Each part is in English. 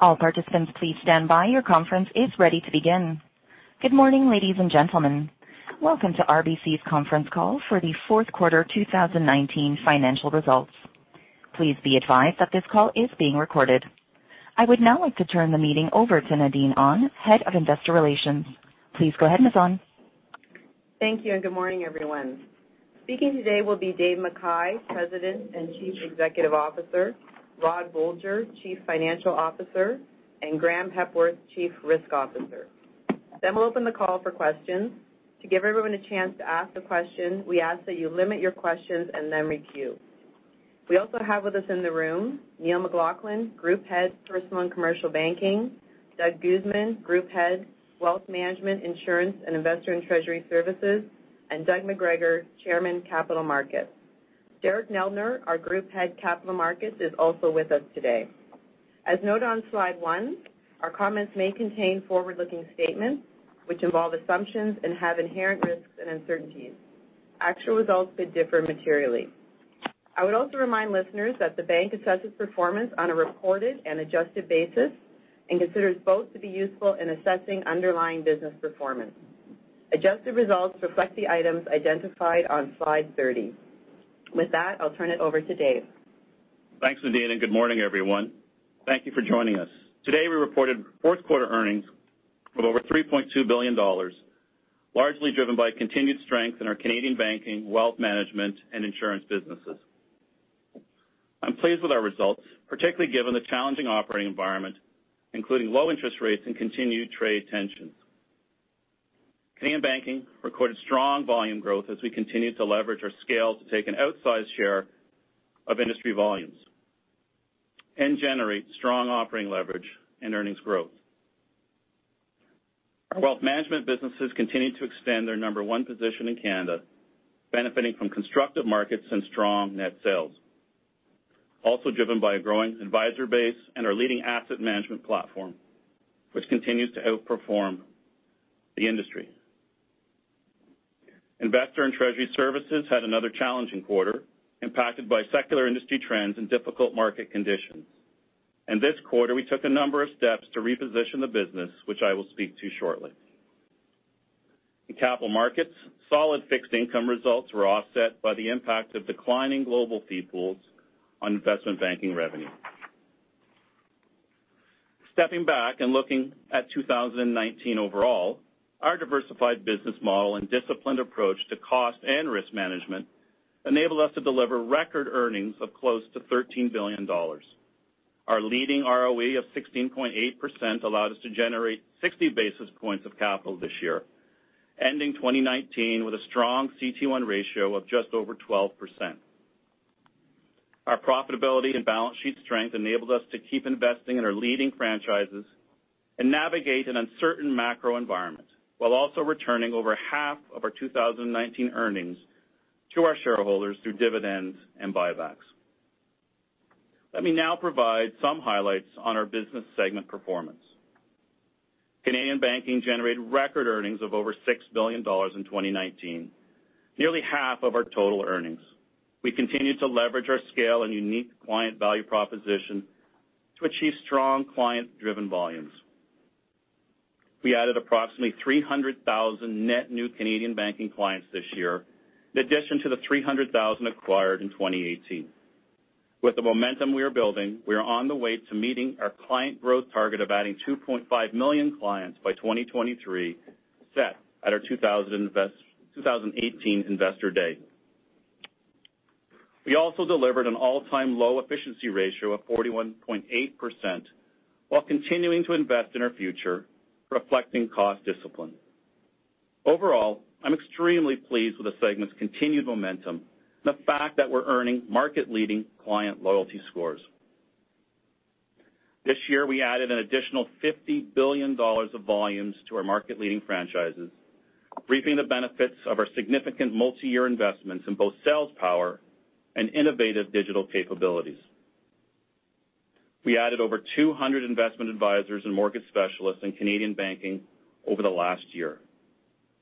All participants, please stand by. Your conference is ready to begin. Good morning, ladies and gentlemen. Welcome to RBC's conference call for the fourth quarter 2019 financial results. Please be advised that this call is being recorded. I would now like to turn the meeting over to Nadine Ahn, Head of Investor Relations. Please go ahead, Ms. Ahn. Thank you, good morning, everyone. Speaking today will be Dave McKay, President and Chief Executive Officer, Rod Bolger, Chief Financial Officer, and Graeme Hepworth, Chief Risk Officer. We'll open the call for questions. To give everyone a chance to ask a question, we ask that you limit your questions and then queue. We also have with us in the room Neil McLaughlin, Group Head, Personal and Commercial Banking, Doug Guzman, Group Head, Wealth Management, Insurance, and Investor and Treasury Services, and Doug McGregor, Chairman, Capital Markets. Derek Neldner, our Group Head, Capital Markets, is also with us today. As noted on slide one, our comments may contain forward-looking statements which involve assumptions and have inherent risks and uncertainties. Actual results could differ materially. I would also remind listeners that the bank assesses performance on a reported and adjusted basis and considers both to be useful in assessing underlying business performance. Adjusted results reflect the items identified on slide 30. With that, I'll turn it over to Dave. Thanks, Nadine. Good morning, everyone. Thank you for joining us. Today, we reported fourth quarter earnings of over 3.2 billion dollars, largely driven by continued strength in our Canadian banking, Wealth Management, and Insurance businesses. I'm pleased with our results, particularly given the challenging operating environment, including low interest rates and continued trade tensions. Canadian banking recorded strong volume growth as we continue to leverage our scale to take an outsized share of industry volumes and generate strong operating leverage and earnings growth. Our Wealth Management businesses continue to extend their number one position in Canada, benefiting from constructive markets and strong net sales, also driven by a growing advisor base and our leading asset management platform, which continues to outperform the industry. Investor and Treasury Services had another challenging quarter, impacted by secular industry trends and difficult market conditions. In this quarter, we took a number of steps to reposition the business, which I will speak to shortly. In capital markets, solid fixed income results were offset by the impact of declining global fee pools on investment banking revenue. Stepping back and looking at 2019 overall, our diversified business model and disciplined approach to cost and risk management enabled us to deliver record earnings of close to 13 billion dollars. Our leading ROE of 16.8% allowed us to generate 60 basis points of capital this year, ending 2019 with a strong CET1 ratio of just over 12%. Our profitability and balance sheet strength enabled us to keep investing in our leading franchises and navigate an uncertain macro environment while also returning over half of our 2019 earnings to our shareholders through dividends and buybacks. Let me now provide some highlights on our business segment performance. Canadian banking generated record earnings of over 6 billion dollars in 2019, nearly half of our total earnings. We continue to leverage our scale and unique client value proposition to achieve strong client-driven volumes. We added approximately 300,000 net new Canadian banking clients this year, in addition to the 300,000 acquired in 2018. With the momentum we are building, we are on the way to meeting our client growth target of adding 2.5 million clients by 2023, set at our 2018 Investor Day. We also delivered an all-time low efficiency ratio of 41.8% while continuing to invest in our future, reflecting cost discipline. Overall, I'm extremely pleased with the segment's continued momentum and the fact that we're earning market-leading client loyalty scores. This year, we added an additional 50 billion dollars of volumes to our market-leading franchises, reaping the benefits of our significant multi-year investments in both sales power and innovative digital capabilities. We added over 200 investment advisors and mortgage specialists in Canadian banking over the last year.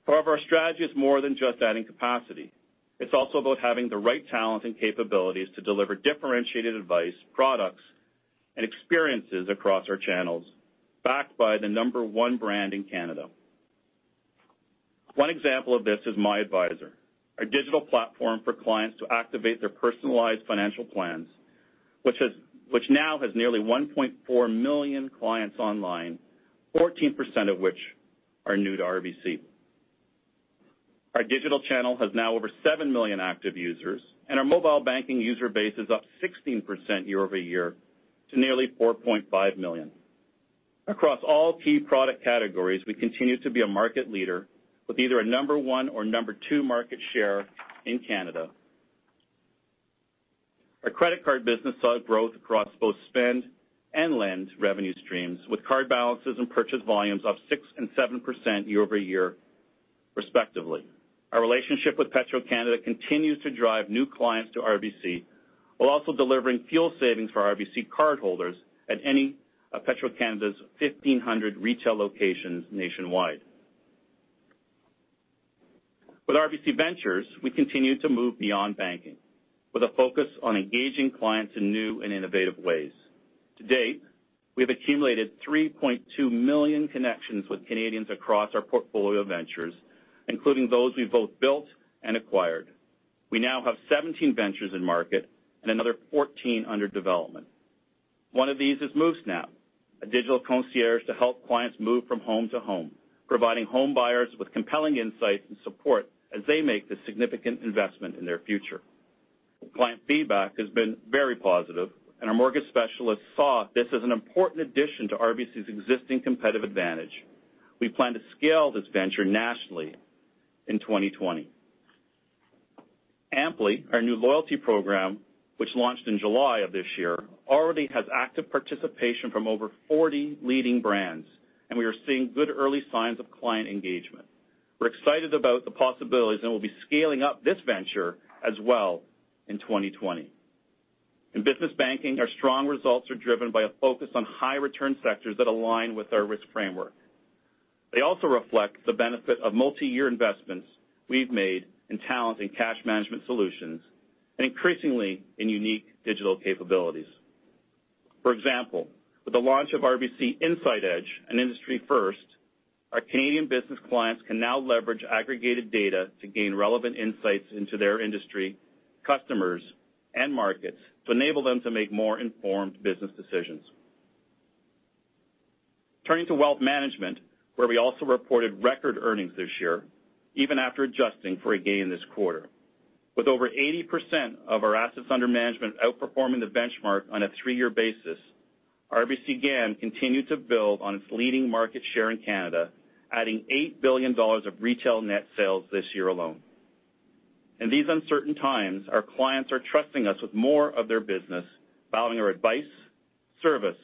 Our strategy is more than just adding capacity. It's also about having the right talent and capabilities to deliver differentiated advice, products, and experiences across our channels, backed by the number one brand in Canada. One example of this is MyAdvisor, a digital platform for clients to activate their personalized financial plans, which now has nearly 1.4 million clients online, 14% of which are new to RBC. Our digital channel has now over seven million active users, and our mobile banking user base is up 16% year-over-year to nearly 4.5 million. Across all key product categories, we continue to be a market leader with either a number one or number two market share in Canada. Our credit card business saw growth across both spend and lend revenue streams, with card balances and purchase volumes up 6% and 7% year over year, respectively. Our relationship with Petro-Canada continues to drive new clients to RBC, while also delivering fuel savings for RBC cardholders at any of Petro-Canada's 1,500 retail locations nationwide. With RBC Ventures, we continue to move beyond banking with a focus on engaging clients in new and innovative ways. To date, we have accumulated 3.2 million connections with Canadians across our portfolio of ventures, including those we've both built and acquired. We now have 17 ventures in market and another 14 under development. One of these is MoveSnap, a digital concierge to help clients move from home to home, providing home buyers with compelling insights and support as they make this significant investment in their future. Client feedback has been very positive, and our mortgage specialists saw this as an important addition to RBC's existing competitive advantage. We plan to scale this venture nationally in 2020. Ampli, our new loyalty program, which launched in July of this year, already has active participation from over 40 leading brands, and we are seeing good early signs of client engagement. We're excited about the possibilities, and we'll be scaling up this venture as well in 2020. In business banking, our strong results are driven by a focus on high-return sectors that align with our risk framework. They also reflect the benefit of multi-year investments we've made in talent and cash management solutions, and increasingly, in unique digital capabilities. For example, with the launch of RBC Insight Edge, an industry first, our Canadian business clients can now leverage aggregated data to gain relevant insights into their industry, customers, and markets to enable them to make more informed business decisions. Turning to wealth management, where we also reported record earnings this year, even after adjusting for a gain this quarter. With over 80% of our assets under management outperforming the benchmark on a three-year basis, RBC GAM continued to build on its leading market share in Canada, adding 8 billion dollars of retail net sales this year alone. In these uncertain times, our clients are trusting us with more of their business, valuing our advice, service,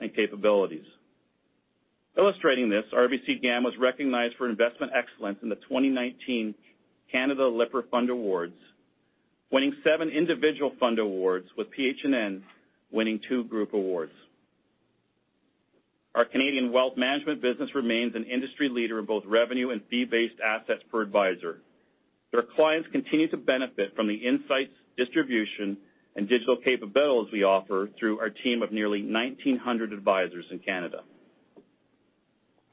and capabilities. Illustrating this, RBC GAM was recognized for investment excellence in the 2019 Canada Lipper Fund Awards, winning seven individual fund awards, with PH&N winning two group awards. Our Canadian wealth management business remains an industry leader in both revenue and fee-based assets per advisor. Their clients continue to benefit from the insights, distribution, and digital capabilities we offer through our team of nearly 1,900 advisors in Canada.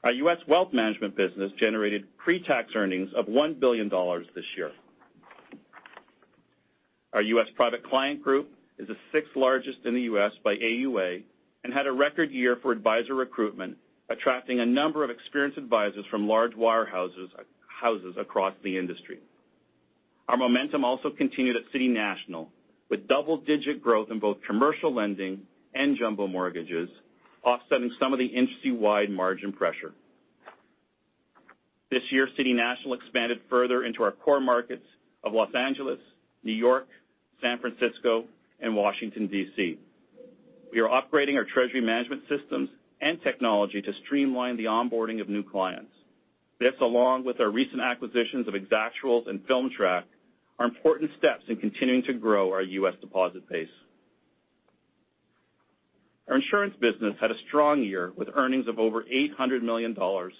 Our U.S. wealth management business generated pre-tax earnings of $1 billion this year. Our U.S. Private Client Group is the sixth largest in the U.S. by AUA and had a record year for advisor recruitment, attracting a number of experienced advisors from large wire houses across the industry. Our momentum also continued at City National with double-digit growth in both commercial lending and jumbo mortgages, offsetting some of the industry-wide margin pressure. This year, City National expanded further into our core markets of Los Angeles, New York, San Francisco, and Washington, D.C. We are upgrading our treasury management systems and technology to streamline the onboarding of new clients. This, along with our recent acquisitions of Exactuals and FilmTrack, are important steps in continuing to grow our U.S. deposit base. Our insurance business had a strong year with earnings of over 800 million dollars,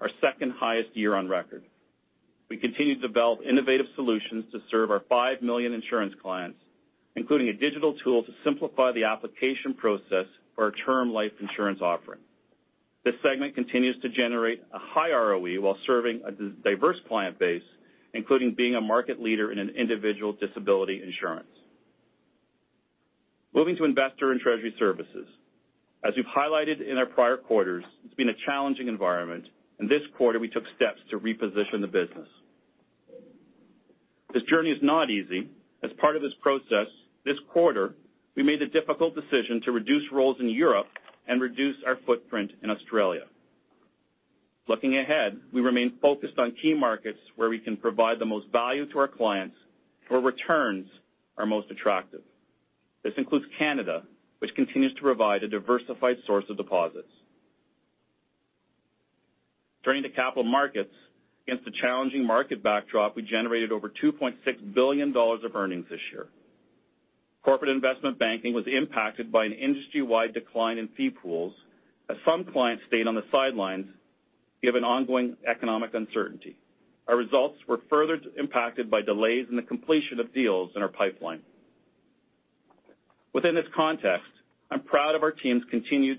our second highest year on record. We continue to develop innovative solutions to serve our five million insurance clients, including a digital tool to simplify the application process for our term life insurance offering. This segment continues to generate a high ROE while serving a diverse client base, including being a market leader in individual disability insurance. Moving to Investor and Treasury Services. As we've highlighted in our prior quarters, it's been a challenging environment, and this quarter we took steps to reposition the business. This journey is not easy. As part of this process, this quarter, we made the difficult decision to reduce roles in Europe and reduce our footprint in Australia. Looking ahead, we remain focused on key markets where we can provide the most value to our clients, where returns are most attractive. This includes Canada, which continues to provide a diversified source of deposits. Turning to Capital Markets. Against the challenging market backdrop, we generated over 2.6 billion dollars of earnings this year. Corporate investment banking was impacted by an industry-wide decline in fee pools, as some clients stayed on the sidelines given ongoing economic uncertainty. Our results were further impacted by delays in the completion of deals in our pipeline. Within this context, I'm proud of our teams continue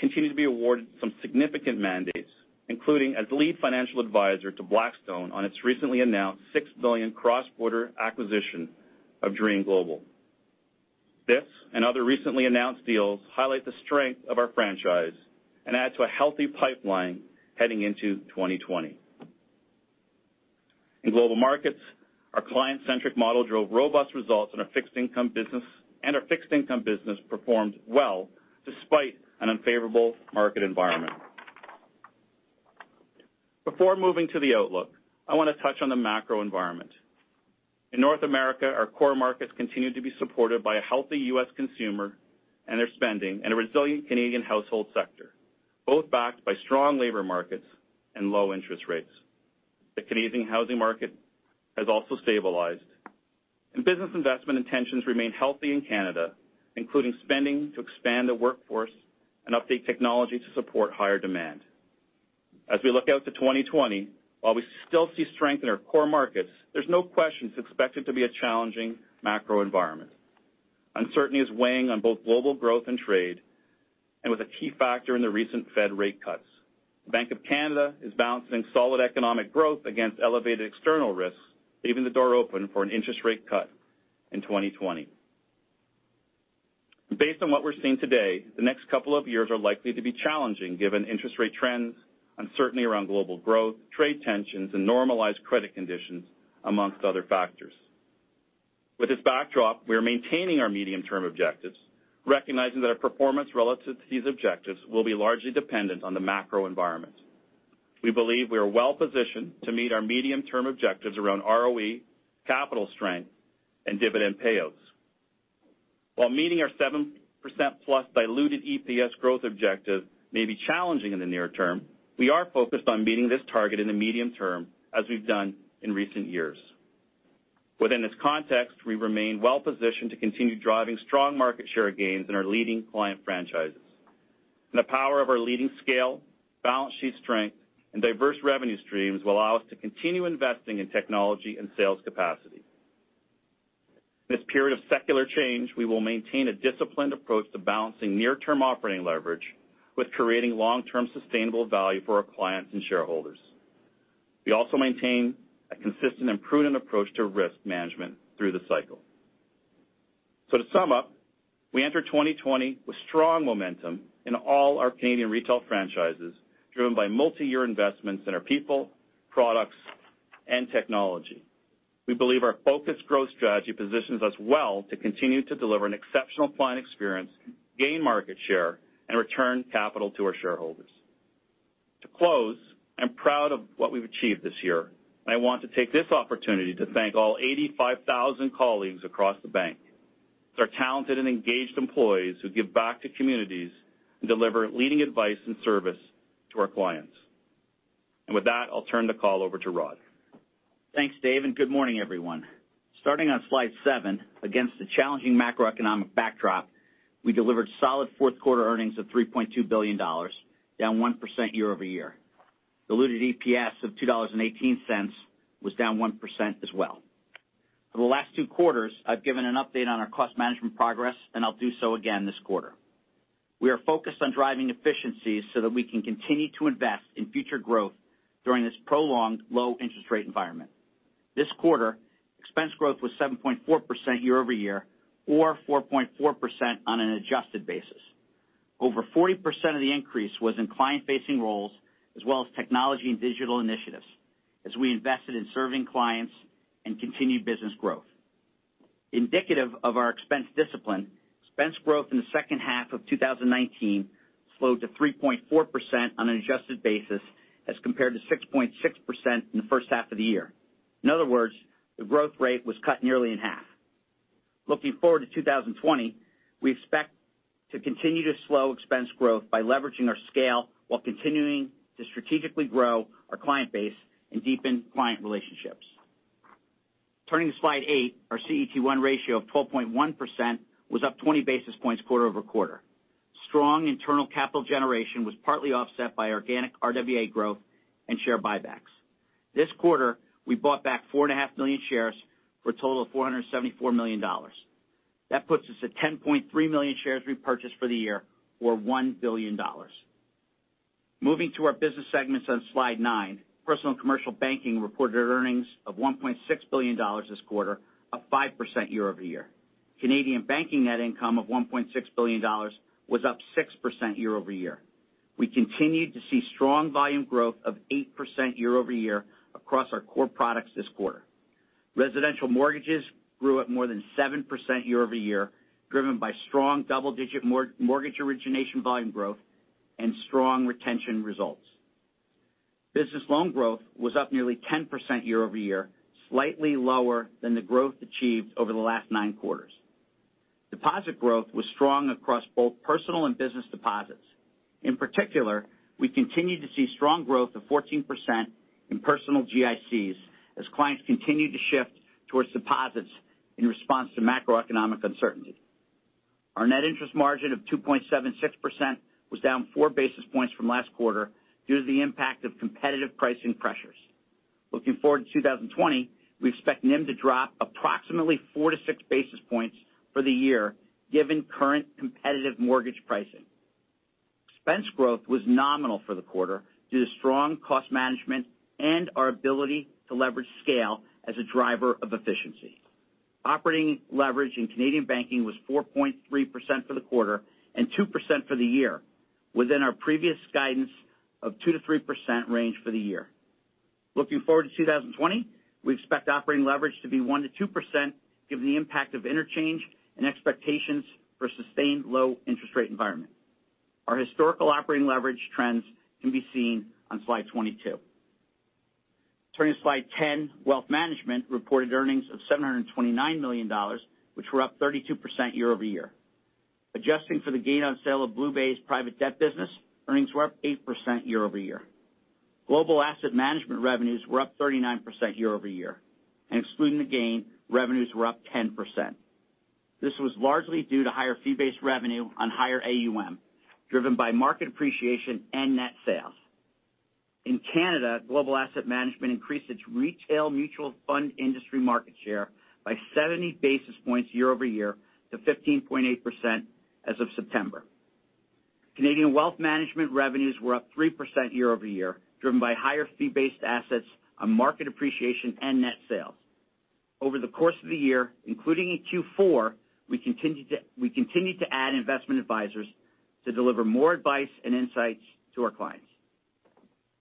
to be awarded some significant mandates, including as lead financial advisor to Blackstone on its recently announced 6 billion cross-border acquisition of Dream Global. This and other recently announced deals highlight the strength of our franchise and add to a healthy pipeline heading into 2020. In global markets, our client-centric model drove robust results in our fixed income business, and our fixed income business performed well despite an unfavorable market environment. Before moving to the outlook, I want to touch on the macro environment. In North America, our core markets continue to be supported by a healthy U.S. consumer and their spending, and a resilient Canadian household sector, both backed by strong labor markets and low interest rates. The Canadian housing market has also stabilized, and business investment intentions remain healthy in Canada, including spending to expand the workforce and update technology to support higher demand. As we look out to 2020, while we still see strength in our core markets, there's no question it's expected to be a challenging macro environment. Uncertainty is weighing on both global growth and trade, and was a key factor in the recent Fed rate cuts. The Bank of Canada is balancing solid economic growth against elevated external risks, leaving the door open for an interest rate cut in 2020. Based on what we're seeing today, the next couple of years are likely to be challenging given interest rate trends, uncertainty around global growth, trade tensions, and normalized credit conditions, amongst other factors. With this backdrop, we are maintaining our medium-term objectives, recognizing that our performance relative to these objectives will be largely dependent on the macro environment. We believe we are well-positioned to meet our medium-term objectives around ROE, capital strength, and dividend payouts. While meeting our 7%-plus diluted EPS growth objective may be challenging in the near term, we are focused on meeting this target in the medium term, as we've done in recent years. The power of our leading scale, balance sheet strength, and diverse revenue streams will allow us to continue investing in technology and sales capacity. In this period of secular change, we will maintain a disciplined approach to balancing near-term operating leverage with creating long-term sustainable value for our clients and shareholders. We also maintain a consistent and prudent approach to risk management through the cycle. To sum up, we enter 2020 with strong momentum in all our Canadian retail franchises, driven by multiyear investments in our people, products, and technology. We believe our focused growth strategy positions us well to continue to deliver an exceptional client experience, gain market share, and return capital to our shareholders. To close, I'm proud of what we've achieved this year, and I want to take this opportunity to thank all 85,000 colleagues across the bank. These are talented and engaged employees who give back to communities and deliver leading advice and service to our clients. With that, I'll turn the call over to Rod. Thanks, Dave. Good morning, everyone. Starting on slide seven, against the challenging macroeconomic backdrop, we delivered solid fourth quarter earnings of 3.2 billion dollars, down 1% year-over-year. Diluted EPS of 2.18 dollars was down 1% as well. For the last two quarters, I've given an update on our cost management progress, and I'll do so again this quarter. We are focused on driving efficiencies so that we can continue to invest in future growth during this prolonged low interest rate environment. This quarter, expense growth was 7.4% year-over-year, or 4.4% on an adjusted basis. Over 40% of the increase was in client-facing roles as well as technology and digital initiatives as we invested in serving clients and continued business growth. Indicative of our expense discipline, expense growth in the second half of 2019 slowed to 3.4% on an adjusted basis as compared to 6.6% in the first half of the year. In other words, the growth rate was cut nearly in half. Looking forward to 2020, we expect to continue to slow expense growth by leveraging our scale while continuing to strategically grow our client base and deepen client relationships. Turning to slide eight, our CET1 ratio of 12.1% was up 20 basis points quarter-over-quarter. Strong internal capital generation was partly offset by organic RWA growth and share buybacks. This quarter, we bought back four and a half million shares for a total of 474 million dollars. That puts us at 10.3 million shares repurchased for the year, or 1 billion dollars. Moving to our business segments on slide nine, Personal & Commercial Banking reported earnings of 1.6 billion dollars this quarter, up 5% year-over-year. Canadian banking net income of 1.6 billion dollars was up 6% year-over-year. We continued to see strong volume growth of 8% year-over-year across our core products this quarter. Residential mortgages grew at more than 7% year-over-year, driven by strong double-digit mortgage origination volume growth and strong retention results. Business loan growth was up nearly 10% year-over-year, slightly lower than the growth achieved over the last nine quarters. Deposit growth was strong across both personal and business deposits. In particular, we continued to see strong growth of 14% in personal GICs as clients continued to shift towards deposits in response to macroeconomic uncertainty. Our net interest margin of 2.76% was down four basis points from last quarter due to the impact of competitive pricing pressures. Looking forward to 2020, we expect NIM to drop approximately four to six basis points for the year given current competitive mortgage pricing. Expense growth was nominal for the quarter due to strong cost management and our ability to leverage scale as a driver of efficiency. Operating leverage in Canadian banking was 4.3% for the quarter and 2% for the year, within our previous guidance of 2%-3% range for the year. Looking forward to 2020, we expect operating leverage to be 1%-2% given the impact of interchange and expectations for a sustained low interest rate environment. Our historical operating leverage trends can be seen on slide 22. Turning to slide 10, Wealth Management reported earnings of 729 million dollars, which were up 32% year-over-year. Adjusting for the gain on sale of BlueBay's private debt business, earnings were up 8% year-over-year. Global asset management revenues were up 39% year-over-year. Excluding the gain, revenues were up 10%. This was largely due to higher fee-based revenue on higher AUM, driven by market appreciation and net sales. In Canada, global asset management increased its retail mutual fund industry market share by 70 basis points year-over-year to 15.8% as of September. Canadian wealth management revenues were up 3% year-over-year, driven by higher fee-based assets on market appreciation and net sales. Over the course of the year, including in Q4, we continued to add investment advisors to deliver more advice and insights to our clients.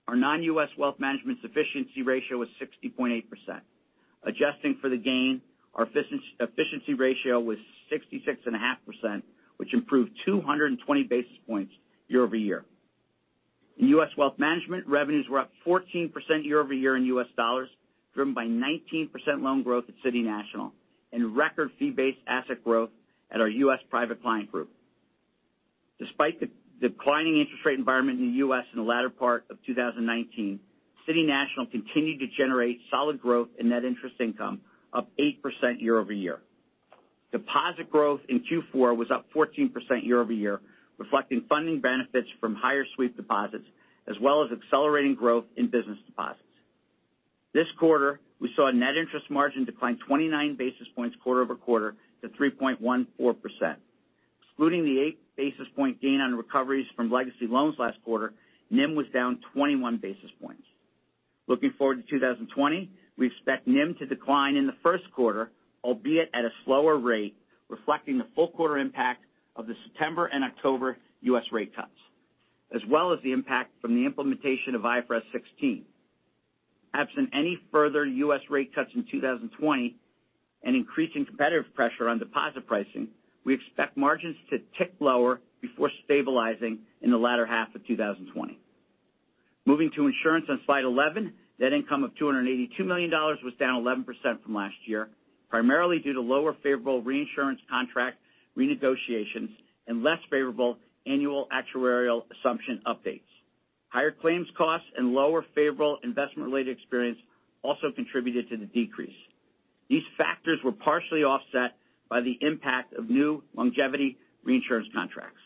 Our non-U.S. wealth management sufficiency ratio was 60.8%. Adjusting for the gain, our efficiency ratio was 66.5%, which improved 220 basis points year-over-year. In U.S. wealth management, revenues were up 14% year-over-year in U.S. dollars, driven by 19% loan growth at City National and record fee-based asset growth at our U.S. Private Client Group. Despite the declining interest rate environment in the U.S. in the latter part of 2019, City National continued to generate solid growth in net interest income, up 8% year-over-year. Deposit growth in Q4 was up 14% year-over-year, reflecting funding benefits from higher sweep deposits, as well as accelerating growth in business deposits. This quarter, we saw net interest margin decline 29 basis points quarter-over-quarter to 3.14%. Excluding the eight basis point gain on recoveries from legacy loans last quarter, NIM was down 21 basis points. Looking forward to 2020, we expect NIM to decline in the first quarter, albeit at a slower rate, reflecting the full quarter impact of the September and October U.S. rate cuts, as well as the impact from the implementation of IFRS 16. Absent any further U.S. rate cuts in 2020 and increasing competitive pressure on deposit pricing, we expect margins to tick lower before stabilizing in the latter half of 2020. Moving to insurance on slide 11, net income of 282 million dollars was down 11% from last year, primarily due to lower favorable reinsurance contract renegotiations and less favorable annual actuarial assumption updates. Higher claims costs and lower favorable investment-related experience also contributed to the decrease. These factors were partially offset by the impact of new longevity reinsurance contracts.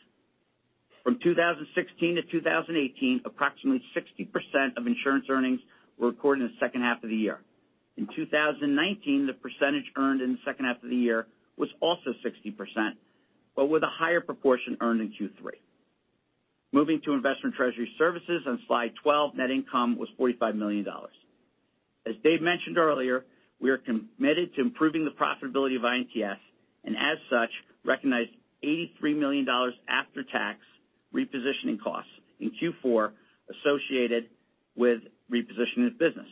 From 2016 to 2018, approximately 60% of insurance earnings were recorded in the second half of the year. In 2019, the percentage earned in the second half of the year was also 60%, but with a higher proportion earned in Q3. Moving to Investor & Treasury Services on slide 12, net income was 45 million dollars. As Dave mentioned earlier, we are committed to improving the profitability of I&TS, and as such, recognized 83 million dollars after-tax repositioning costs in Q4 associated with repositioning the business.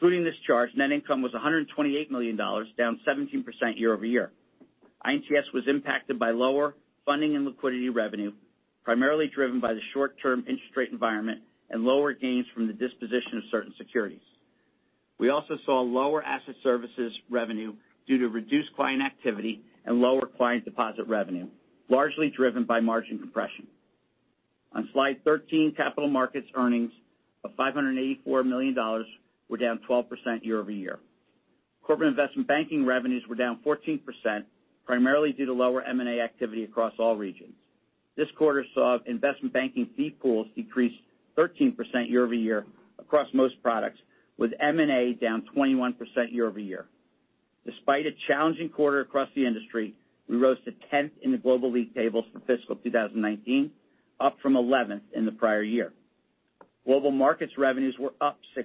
Excluding this charge, net income was 128 million dollars, down 17% year-over-year. I&TS was impacted by lower funding and liquidity revenue, primarily driven by the short-term interest rate environment and lower gains from the disposition of certain securities. We also saw lower asset services revenue due to reduced client activity and lower client deposit revenue, largely driven by margin compression. On slide 13, Capital Markets earnings of 584 million dollars were down 12% year-over-year. Corporate investment banking revenues were down 14%, primarily due to lower M&A activity across all regions. This quarter saw investment banking fee pools decrease 13% year-over-year across most products, with M&A down 21% year-over-year. Despite a challenging quarter across the industry, we rose to 10th in the global league tables for fiscal 2019, up from 11th in the prior year. Global markets revenues were up 6%.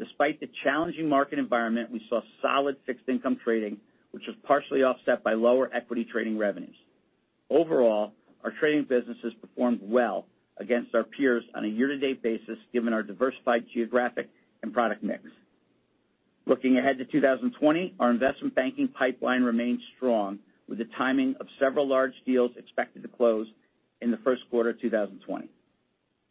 Despite the challenging market environment, we saw solid fixed income trading, which was partially offset by lower equity trading revenues. Overall, our trading businesses performed well against our peers on a year-to-date basis, given our diversified geographic and product mix. Looking ahead to 2020, our investment banking pipeline remains strong, with the timing of several large deals expected to close in the first quarter of 2020.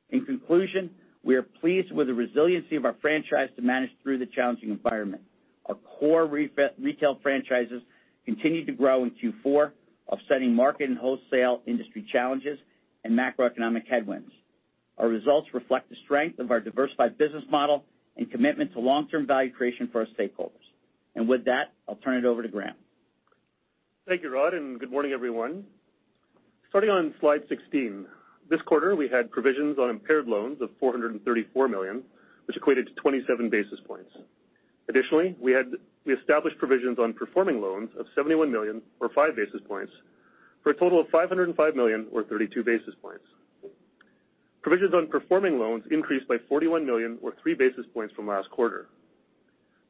In conclusion, we are pleased with the resiliency of our franchise to manage through the challenging environment. Our core retail franchises continued to grow in Q4, offsetting market and wholesale industry challenges and macroeconomic headwinds. Our results reflect the strength of our diversified business model and commitment to long-term value creation for our stakeholders. With that, I'll turn it over to Graeme. Thank you, Rod, and good morning, everyone. Starting on slide 16, this quarter, we had provisions on impaired loans of 434 million, which equated to 27 basis points. Additionally, we established provisions on performing loans of 71 million or five basis points, for a total of 505 million or 32 basis points. Provisions on performing loans increased by 41 million or three basis points from last quarter.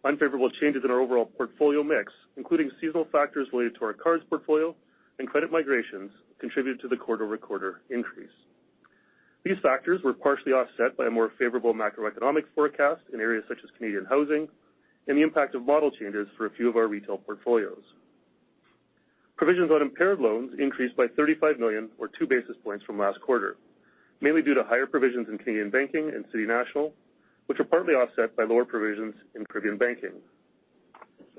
Unfavorable changes in our overall portfolio mix, including seasonal factors related to our cards portfolio and credit migrations, contributed to the quarter-over-quarter increase. These factors were partially offset by a more favorable macroeconomic forecast in areas such as Canadian housing and the impact of model changes for a few of our retail portfolios. Provisions on impaired loans increased by 35 million or two basis points from last quarter, mainly due to higher provisions in Canadian Banking and City National, which were partly offset by lower provisions in Caribbean Banking.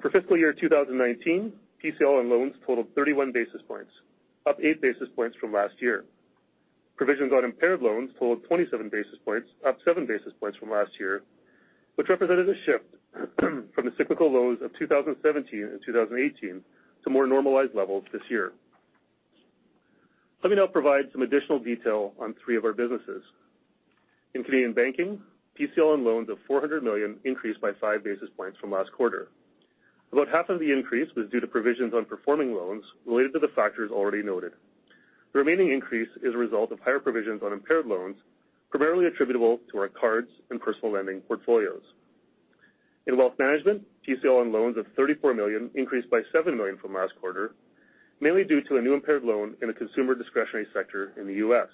For fiscal year 2019, PCL on loans totaled 31 basis points, up eight basis points from last year. Provisions on impaired loans totaled 27 basis points, up seven basis points from last year, which represented a shift from the cyclical lows of 2017 and 2018 to more normalized levels this year. Let me now provide some additional detail on three of our businesses. In Canadian Banking, PCL on loans of 400 million increased by five basis points from last quarter. About half of the increase was due to provisions on performing loans related to the factors already noted. The remaining increase is a result of higher provisions on impaired loans, primarily attributable to our cards and personal lending portfolios. In wealth management, PCL on loans of 34 million increased by 7 million from last quarter, mainly due to a new impaired loan in the consumer discretionary sector in the U.S.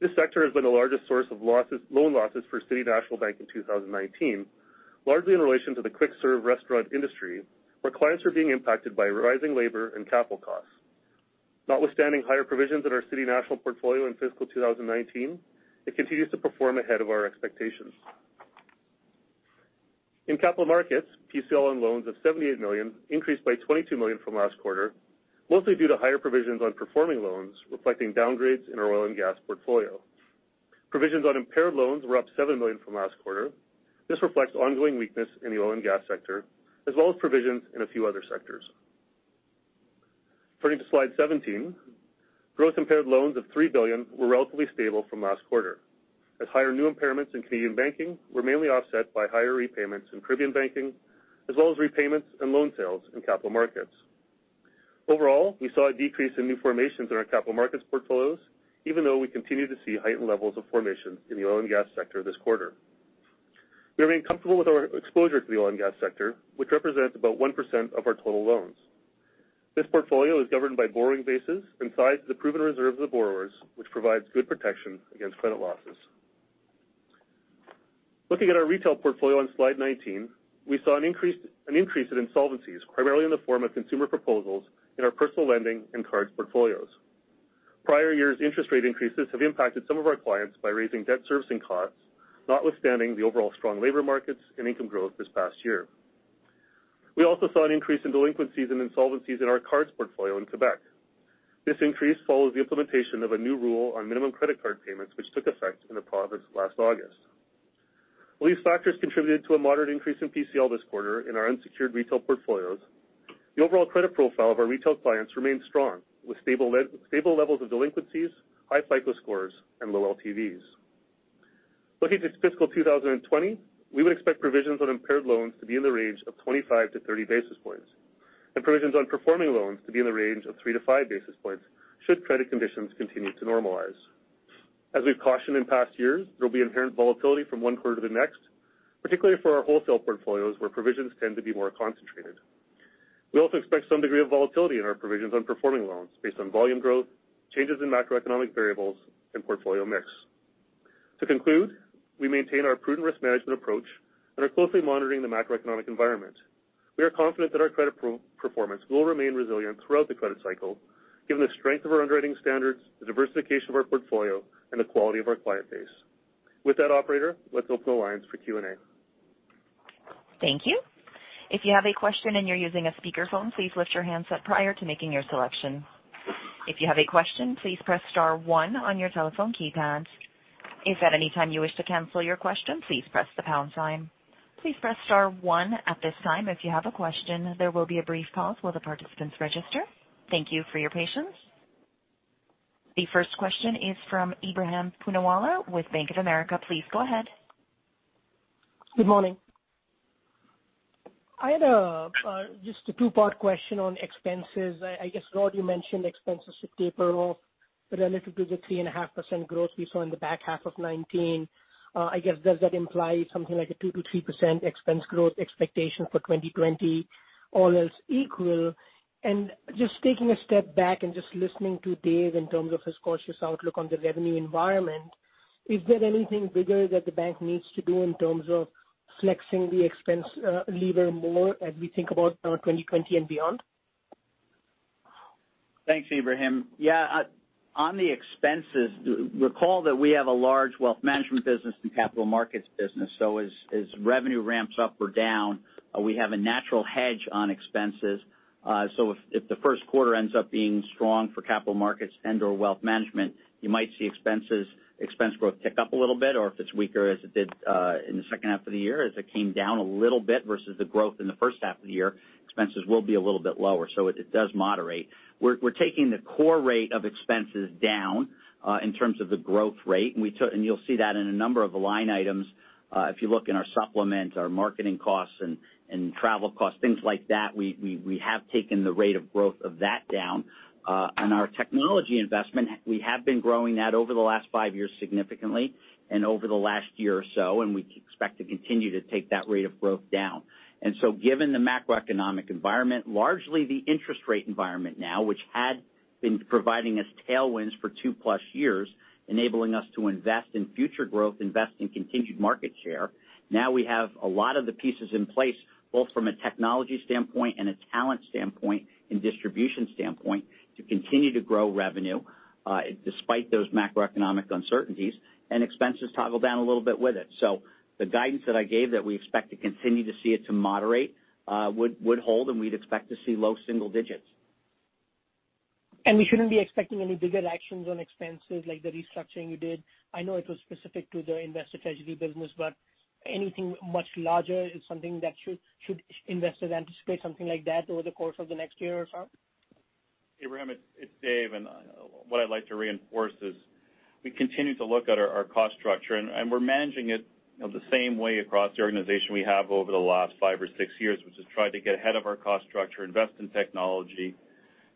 This sector has been the largest source of loan losses for City National Bank in 2019, largely in relation to the quick serve restaurant industry, where clients are being impacted by rising labor and capital costs. Notwithstanding higher provisions in our City National portfolio in fiscal 2019, it continues to perform ahead of our expectations. In capital markets, PCL on loans of 78 million increased by 22 million from last quarter, mostly due to higher provisions on performing loans, reflecting downgrades in our oil and gas portfolio. Provisions on impaired loans were up 7 million from last quarter. This reflects ongoing weakness in the oil and gas sector, as well as provisions in a few other sectors. Turning to slide 17, gross impaired loans of 3 billion were relatively stable from last quarter, as higher new impairments in Canadian Banking were mainly offset by higher repayments in Caribbean Banking, as well as repayments and loan sales in Capital Markets. Overall, we saw a decrease in new formations in our Capital Markets portfolios, even though we continue to see heightened levels of formation in the oil and gas sector this quarter. We remain comfortable with our exposure to the oil and gas sector, which represents about 1% of our total loans. This portfolio is governed by borrowing bases and sized to the proven reserve of the borrowers, which provides good protection against credit losses. Looking at our retail portfolio on slide 19, we saw an increase in insolvencies, primarily in the form of consumer proposals in our personal lending and cards portfolios. Prior year's interest rate increases have impacted some of our clients by raising debt servicing costs, notwithstanding the overall strong labor markets and income growth this past year. We also saw an increase in delinquencies and insolvencies in our cards portfolio in Quebec. This increase follows the implementation of a new rule on minimum credit card payments, which took effect in the province last August. While these factors contributed to a moderate increase in PCL this quarter in our unsecured retail portfolios, the overall credit profile of our retail clients remains strong, with stable levels of delinquencies, high FICO scores, and low LTVs. Looking to fiscal 2020, we would expect provisions on impaired loans to be in the range of 25-30 basis points, and provisions on performing loans to be in the range of 3-5 basis points should credit conditions continue to normalize. As we've cautioned in past years, there'll be inherent volatility from one quarter to the next, particularly for our wholesale portfolios where provisions tend to be more concentrated. We also expect some degree of volatility in our provisions on performing loans based on volume growth, changes in macroeconomic variables, and portfolio mix. To conclude, we maintain our prudent risk management approach and are closely monitoring the macroeconomic environment. We are confident that our credit performance will remain resilient throughout the credit cycle given the strength of our underwriting standards, the diversification of our portfolio, and the quality of our client base. With that, operator, let's open the lines for Q&A. Thank you. If you have a question and you're using a speakerphone, please lift your handset prior to making your selection. If you have a question, please press star one on your telephone keypad. If at any time you wish to cancel your question, please press the pound sign. Please press star one at this time if you have a question. There will be a brief pause while the participants register. Thank you for your patience. The first question is from Ebrahim Poonawala with Bank of America. Please go ahead. Good morning. I had just a two-part question on expenses. I guess, Rod, you mentioned expenses should taper off relative to the 3.5% growth we saw in the back half of 2019. Does that imply something like a 2%-3% expense growth expectation for 2020, all else equal? Just taking a step back and just listening to Dave in terms of his cautious outlook on the revenue environment, is there anything bigger that the bank needs to do in terms of flexing the expense lever more as we think about 2020 and beyond? Thanks, Ebrahim. Yeah. On the expenses, recall that we have a large Wealth Management business and Capital Markets business. As revenue ramps up or down, we have a natural hedge on expenses. If the first quarter ends up being strong for Capital Markets and/or Wealth Management, you might see expense growth tick up a little bit, or if it is weaker as it did in the second half of the year, as it came down a little bit versus the growth in the first half of the year, expenses will be a little bit lower. It does moderate. We are taking the core rate of expenses down in terms of the growth rate, and you will see that in a number of line items. If you look in our supplement, our marketing costs and travel costs, things like that, we have taken the rate of growth of that down. Our technology investment, we have been growing that over the last five years significantly and over the last year or so, and we expect to continue to take that rate of growth down. Given the macroeconomic environment, largely the interest rate environment now. been providing us tailwinds for two plus years, enabling us to invest in future growth, invest in continued market share. We have a lot of the pieces in place, both from a technology standpoint and a talent standpoint and distribution standpoint, to continue to grow revenue, despite those macroeconomic uncertainties, and expenses toggle down a little bit with it. The guidance that I gave that we expect to continue to see it to moderate would hold, and we'd expect to see low single digits. We shouldn't be expecting any bigger actions on expenses like the restructuring you did. I know it was specific to the investor strategy business, but anything much larger is something that should investors anticipate something like that over the course of the next year or so? Hey, Ram, it's Dave. What I'd like to reinforce is we continue to look at our cost structure, and we're managing it the same way across the organization we have over the last five or six years, which is try to get ahead of our cost structure, invest in technology,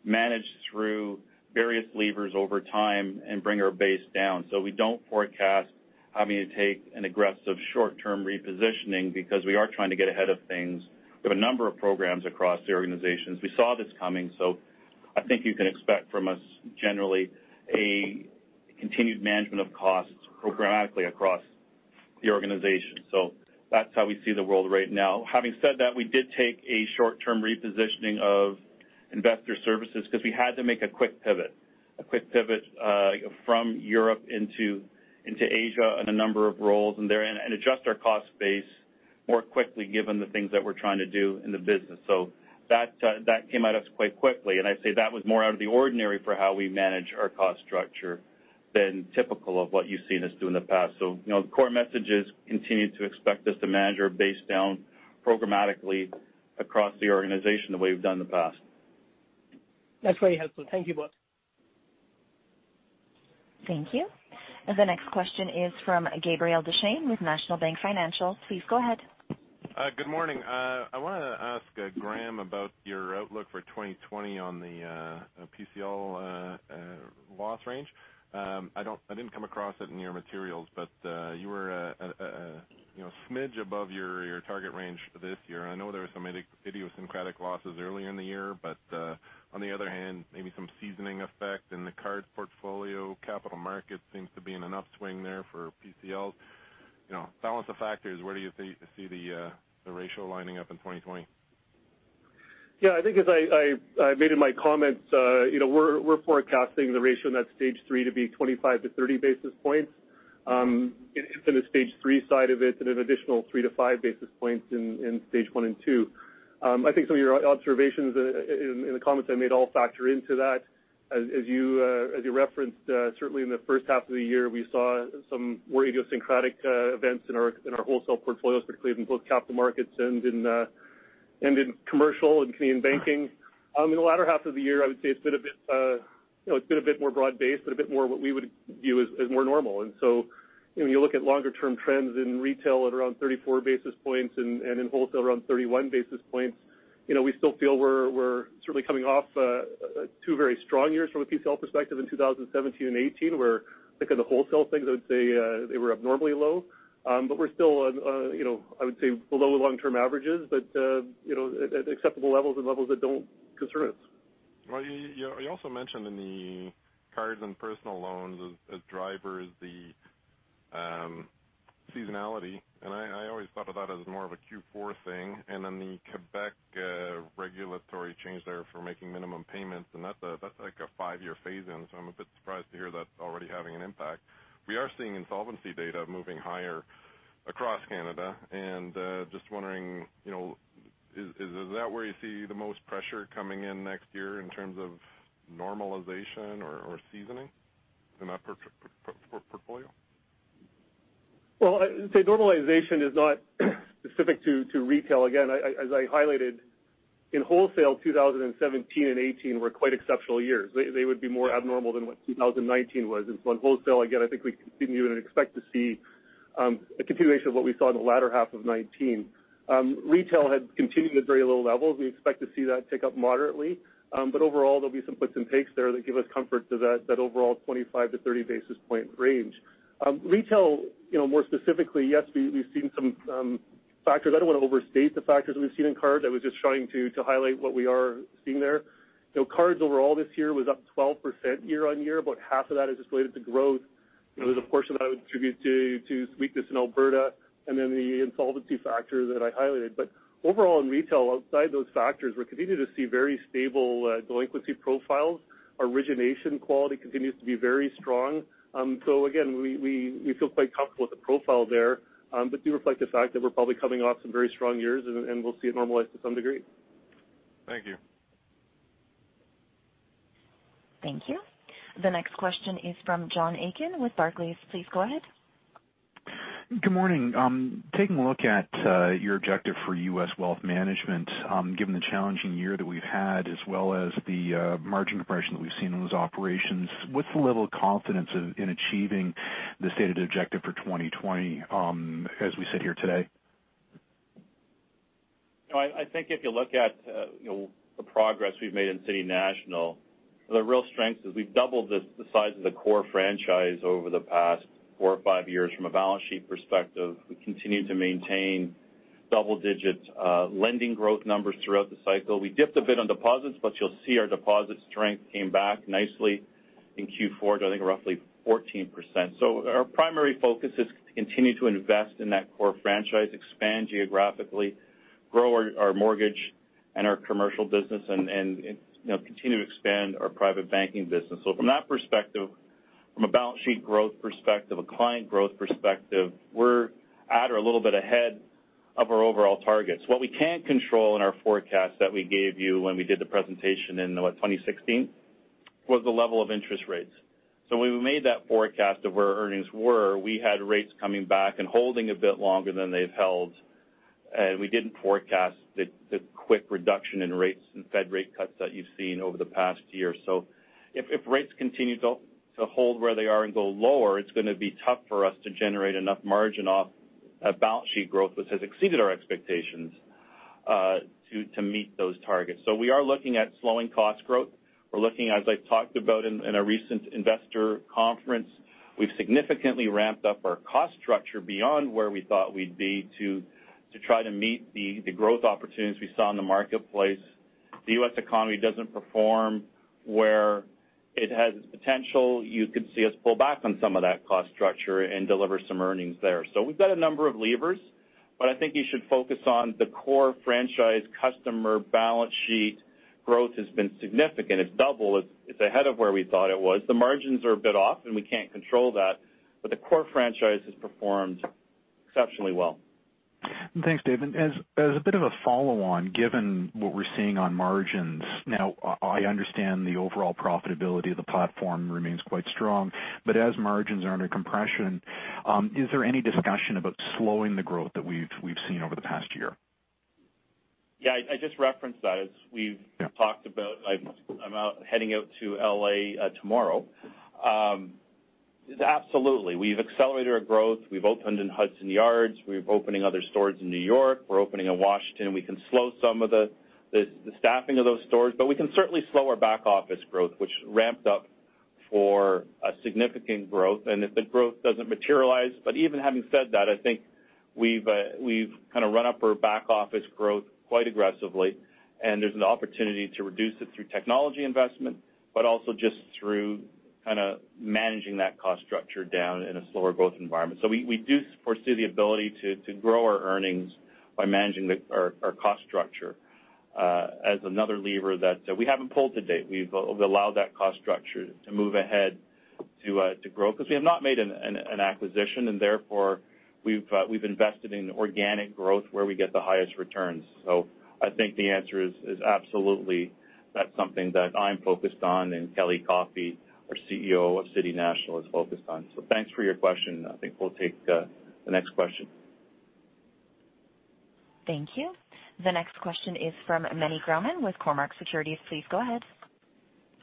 manage through various levers over time, and bring our base down. We don't forecast having to take an aggressive short-term repositioning because we are trying to get ahead of things. We have a number of programs across the organizations. We saw this coming, I think you can expect from us, generally, a continued management of costs programmatically across the organization. That's how we see the world right now. Having said that, we did take a short-term repositioning of Investor Services because we had to make a quick pivot from Europe into Asia in a number of roles and adjust our cost base more quickly given the things that we're trying to do in the business. That came at us quite quickly, and I'd say that was more out of the ordinary for how we manage our cost structure than typical of what you've seen us do in the past. The core message is continue to expect us to manage our base down programmatically across the organization the way we've done in the past. That's very helpful. Thank you both. Thank you. The next question is from Gabriel Dechaine with National Bank Financial. Please go ahead. Good morning. I want to ask Graeme about your outlook for 2020 on the PCL loss range. I didn't come across it in your materials. You were a smidge above your target range this year. I know there were some idiosyncratic losses earlier in the year. On the other hand, maybe some seasoning effect in the cards portfolio. Capital Markets seems to be in an upswing there for PCLs. Balance of factors, where do you see the ratio lining up in 2020? Yeah, I think as I made in my comments, we're forecasting the ratio in that stage 3 to be 25-30 basis points. For the stage 3 side of it and an additional 3-5 basis points in stage 1 and 2. I think some of your observations in the comments I made all factor into that. As you referenced, certainly in the first half of the year, we saw some more idiosyncratic events in our wholesale portfolios, particularly in both Capital Markets and in commercial and Canadian banking. In the latter half of the year, I would say it's been a bit more broad-based, but a bit more what we would view as more normal. When you look at longer-term trends in retail at around 34 basis points and in wholesale around 31 basis points, we still feel we're certainly coming off two very strong years from a PCL perspective in 2017 and 2018, where I think on the wholesale things, I would say they were abnormally low. We're still, I would say, below the long-term averages, but at acceptable levels and levels that don't concern us. Well, you also mentioned in the cards and personal loans as drivers, the seasonality, and I always thought of that as more of a Q4 thing. The Quebec regulatory change there for making minimum payments, and that's like a five-year phase-in, so I'm a bit surprised to hear that's already having an impact. We are seeing insolvency data moving higher across Canada, and just wondering, is that where you see the most pressure coming in next year in terms of normalization or seasoning in that portfolio? Well, I'd say normalization is not specific to retail. Again, as I highlighted, in wholesale, 2017 and 2018 were quite exceptional years. They would be more abnormal than what 2019 was. In wholesale, again, I think we continue to expect to see a continuation of what we saw in the latter half of 2019. Retail had continued at very low levels. We expect to see that tick up moderately. Overall, there'll be some puts and takes there that give us comfort to that overall 25-30 basis point range. Retail, more specifically, yes, we've seen some factors. I don't want to overstate the factors that we've seen in cards. I was just trying to highlight what we are seeing there. Cards overall this year was up 12% year-over-year. About half of that is just related to growth. There's a portion that I would attribute to weakness in Alberta and the insolvency factor that I highlighted. Overall in retail, outside those factors, we're continuing to see very stable delinquency profiles. Our origination quality continues to be very strong. Again, we feel quite comfortable with the profile there. Do reflect the fact that we're probably coming off some very strong years, and we'll see it normalize to some degree. Thank you. Thank you. The next question is from John Aiken with Barclays. Please go ahead. Good morning. Taking a look at your objective for U.S. wealth management, given the challenging year that we've had, as well as the margin compression that we've seen in those operations, what's the level of confidence in achieving the stated objective for 2020 as we sit here today? I think if you look at the progress we've made in City National, the real strength is we've doubled the size of the core franchise over the past four or five years from a balance sheet perspective. We continue to maintain Double-digits lending growth numbers throughout the cycle. We dipped a bit on deposits, but you'll see our deposit strength came back nicely in Q4 to, I think, roughly 14%. Our primary focus is to continue to invest in that core franchise, expand geographically, grow our mortgage and our commercial business, and continue to expand our private banking business. From that perspective, from a balance sheet growth perspective, a client growth perspective, we're at or a little bit ahead of our overall targets. What we can't control in our forecast that we gave you when we did the presentation in, what, 2016, was the level of interest rates. When we made that forecast of where earnings were, we had rates coming back and holding a bit longer than they've held, and we didn't forecast the quick reduction in rates and Fed rate cuts that you've seen over the past year. If rates continue to hold where they are and go lower, it's going to be tough for us to generate enough margin off of balance sheet growth, which has exceeded our expectations, to meet those targets. We are looking at slowing cost growth. We're looking, as I've talked about in a recent investor conference, we've significantly ramped up our cost structure beyond where we thought we'd be to try to meet the growth opportunities we saw in the marketplace. The U.S. economy doesn't perform where it has its potential. You could see us pull back on some of that cost structure and deliver some earnings there. We've got a number of levers, but I think you should focus on the core franchise customer balance sheet growth has been significant. It's double. It's ahead of where we thought it was. The margins are a bit off, and we can't control that, but the core franchise has performed exceptionally well. Thanks, Dave. As a bit of a follow-on, given what we're seeing on margins, now I understand the overall profitability of the platform remains quite strong, but as margins are under compression, is there any discussion about slowing the growth that we've seen over the past year? Yeah, I just referenced that as we've talked about. I'm heading out to L.A. tomorrow. Absolutely. We've accelerated our growth. We've opened in Hudson Yards. We're opening other stores in New York. We're opening in Washington. We can slow some of the staffing of those stores. We can certainly slow our back office growth, which ramped up for a significant growth. If the growth doesn't materialize, even having said that, I think we've kind of run up our back office growth quite aggressively, and there's an opportunity to reduce it through technology investment, but also just through kind of managing that cost structure down in a slower growth environment. We do foresee the ability to grow our earnings by managing our cost structure as another lever that we haven't pulled to date. We've allowed that cost structure to move ahead to grow because we have not made an acquisition, and therefore we've invested in organic growth where we get the highest returns. I think the answer is absolutely. That's something that I'm focused on and Kelly Coffey, our CEO of City National is focused on. Thanks for your question. I think we'll take the next question. Thank you. The next question is from Meny Grauman with Cormark Securities. Please go ahead.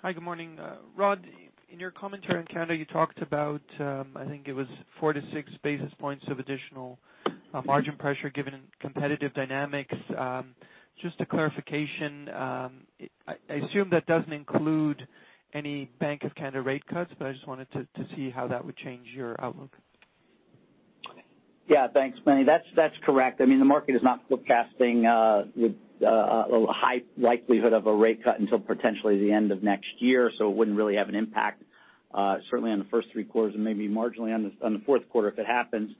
Hi, good morning. Rod, in your commentary in Canada, you talked about, I think it was four to six basis points of additional margin pressure given competitive dynamics. Just a clarification. I assume that doesn't include any Bank of Canada rate cuts, I just wanted to see how that would change your outlook. Yeah, thanks, Meny. That's correct. The market is not forecasting with a high likelihood of a rate cut until potentially the end of next year, so it wouldn't really have an impact certainly on the first three quarters and maybe marginally on the fourth quarter if it happens.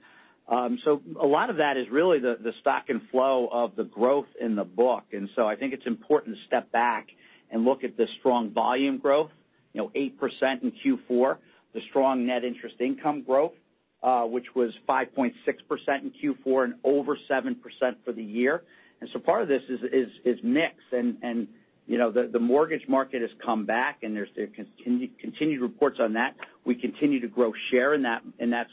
A lot of that is really the stock and flow of the growth in the book. I think it's important to step back and look at the strong volume growth, 8% in Q4, the strong net interest income growth, which was 5.6% in Q4 and over 7% for the year. Part of this is mix. The mortgage market has come back, and there's continued reports on that. We continue to grow share in that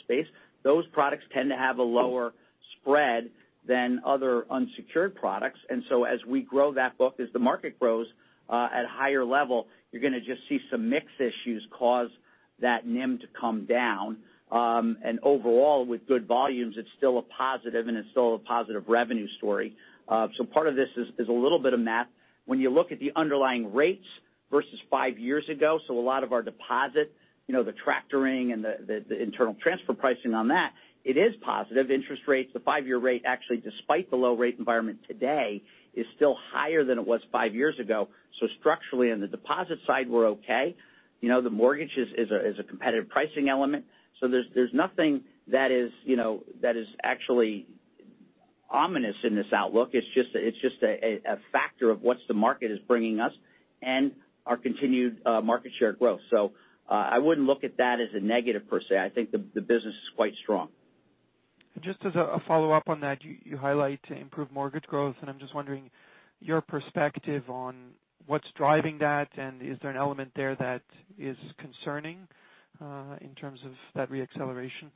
space. Those products tend to have a lower spread than other unsecured products. As we grow that book, as the market grows at a higher level, you're going to just see some mix issues cause that NIM to come down. Overall, with good volumes, it's still a positive, and it's still a positive revenue story. Part of this is a little bit of math. When you look at the underlying rates versus five years ago, a lot of our deposit, the tracking and the internal transfer pricing on that, it is positive. Interest rates, the five-year rate, actually, despite the low rate environment today, is still higher than it was five years ago. Structurally, on the deposit side, we're okay. The mortgage is a competitive pricing element. There's nothing that is actually ominous in this outlook. It's just a factor of what the market is bringing us and our continued market share growth. I wouldn't look at that as a negative per se. I think the business is quite strong. Just as a follow-up on that, you highlight improved mortgage growth, and I'm just wondering your perspective on what's driving that, and is there an element there that is concerning in terms of that re-acceleration?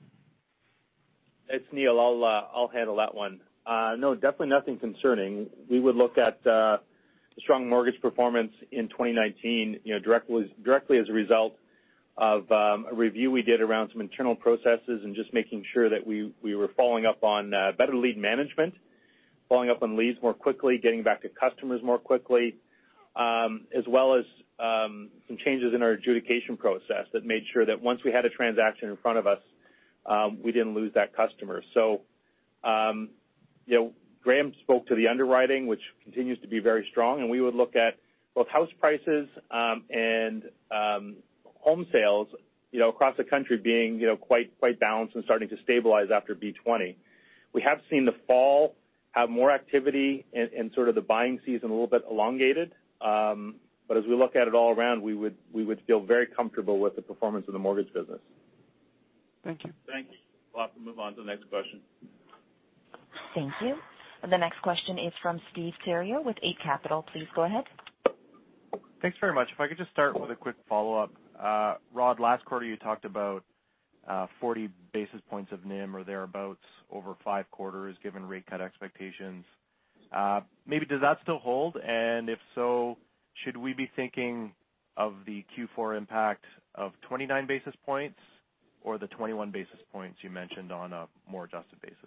It's Neil. I'll handle that one. Definitely nothing concerning. We would look at the strong mortgage performance in 2019 directly as a result of a review we did around some internal processes and just making sure that we were following up on better lead management, following up on leads more quickly, getting back to customers more quickly. As well as some changes in our adjudication process that made sure that once we had a transaction in front of us, we didn't lose that customer. Graeme spoke to the underwriting, which continues to be very strong, and we would look at both house prices and home sales across the country being quite balanced and starting to stabilize after B-20. We have seen the fall have more activity and sort of the buying season a little bit elongated. As we look at it all around, we would feel very comfortable with the performance of the mortgage business. Thank you. Thank you. We'll have to move on to the next question. Thank you. The next question is from Steve Theriault with Eight Capital. Please go ahead. Thanks very much. If I could just start with a quick follow-up. Rod, last quarter, you talked about 40 basis points of NIM or thereabouts over five quarters, given rate cut expectations. Maybe does that still hold? If so, should we be thinking of the Q4 impact of 29 basis points or the 21 basis points you mentioned on a more adjusted basis?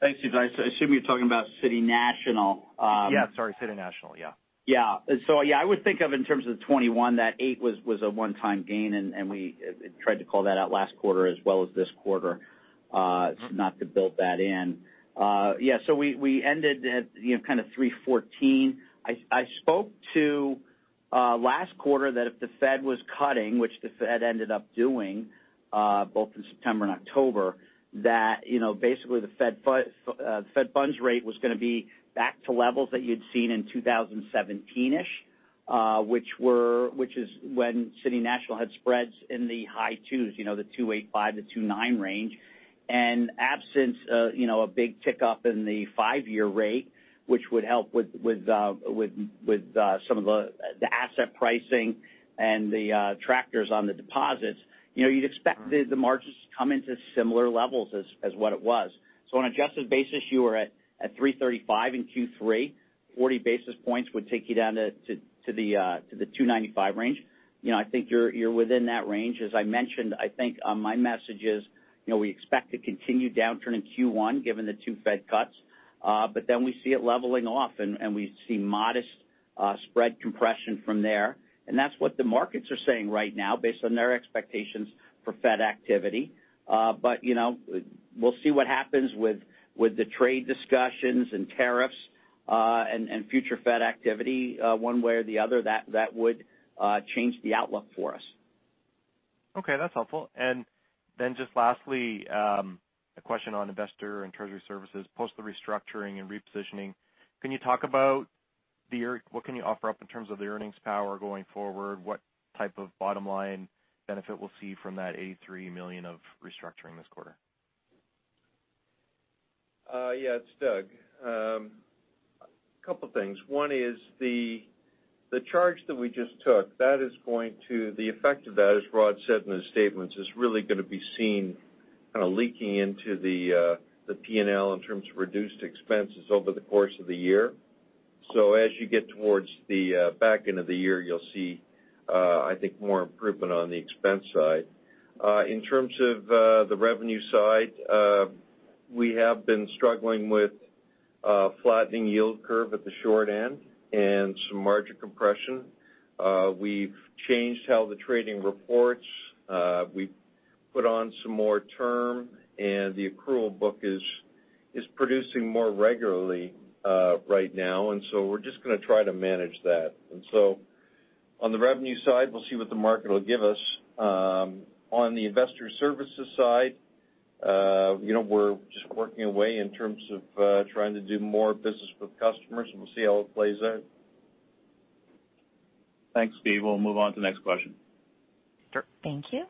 Thanks, Steve. I assume you're talking about City National. Yeah, sorry, City National, yeah. Yeah. Yeah, I would think of in terms of the 21, that 8 was a one-time gain, and we tried to call that out last quarter as well as this quarter, so not to build that in. Yeah, we ended at kind of 3.14%. I spoke to last quarter that if the Fed was cutting, which the Fed ended up doing both in September and October, that basically the Fed funds rate was going to be back to levels that you'd seen in 2017-ish, which is when City National had spreads in the high twos, the 285-29 range. And absence a big tick up in the 5-year rate, which would help with some of the asset pricing and the tractors on the deposits, you'd expect the margins to come into similar levels as what it was. So on adjusted basis, you were at 3.35% in Q3. 40 basis points would take you down to the 295 range. I think you're within that range. As I mentioned, I think my message is, we expect to continue downturn in Q1, given the two Fed cuts. Then we see it leveling off, and we see modest spread compression from there. That's what the markets are saying right now based on their expectations for Fed activity. We'll see what happens with the trade discussions and tariffs, and future Fed activity one way or the other, that would change the outlook for us. Okay, that's helpful. Just lastly, a question on Investor and Treasury Services. Post the restructuring and repositioning, can you talk about what can you offer up in terms of the earnings power going forward? What type of bottom-line benefit we'll see from that 83 million of restructuring this quarter? Yeah, it's Doug. Couple things. One is the charge that we just took, the effect of that, as Rod said in his statements, is really going to be seen kind of leaking into the P&L in terms of reduced expenses over the course of the year. As you get towards the back end of the year, you'll see, I think, more improvement on the expense side. In terms of the revenue side, we have been struggling with a flattening yield curve at the short end and some margin compression. We've changed how the trading reports, we put on some more term, and the accrual book is producing more regularly right now. We're just going to try to manage that. On the revenue side, we'll see what the market will give us. On the investor services side, we're just working away in terms of trying to do more business with customers. We'll see how it plays out. Thanks, Steve. We'll move on to the next question. Sure. Thank you.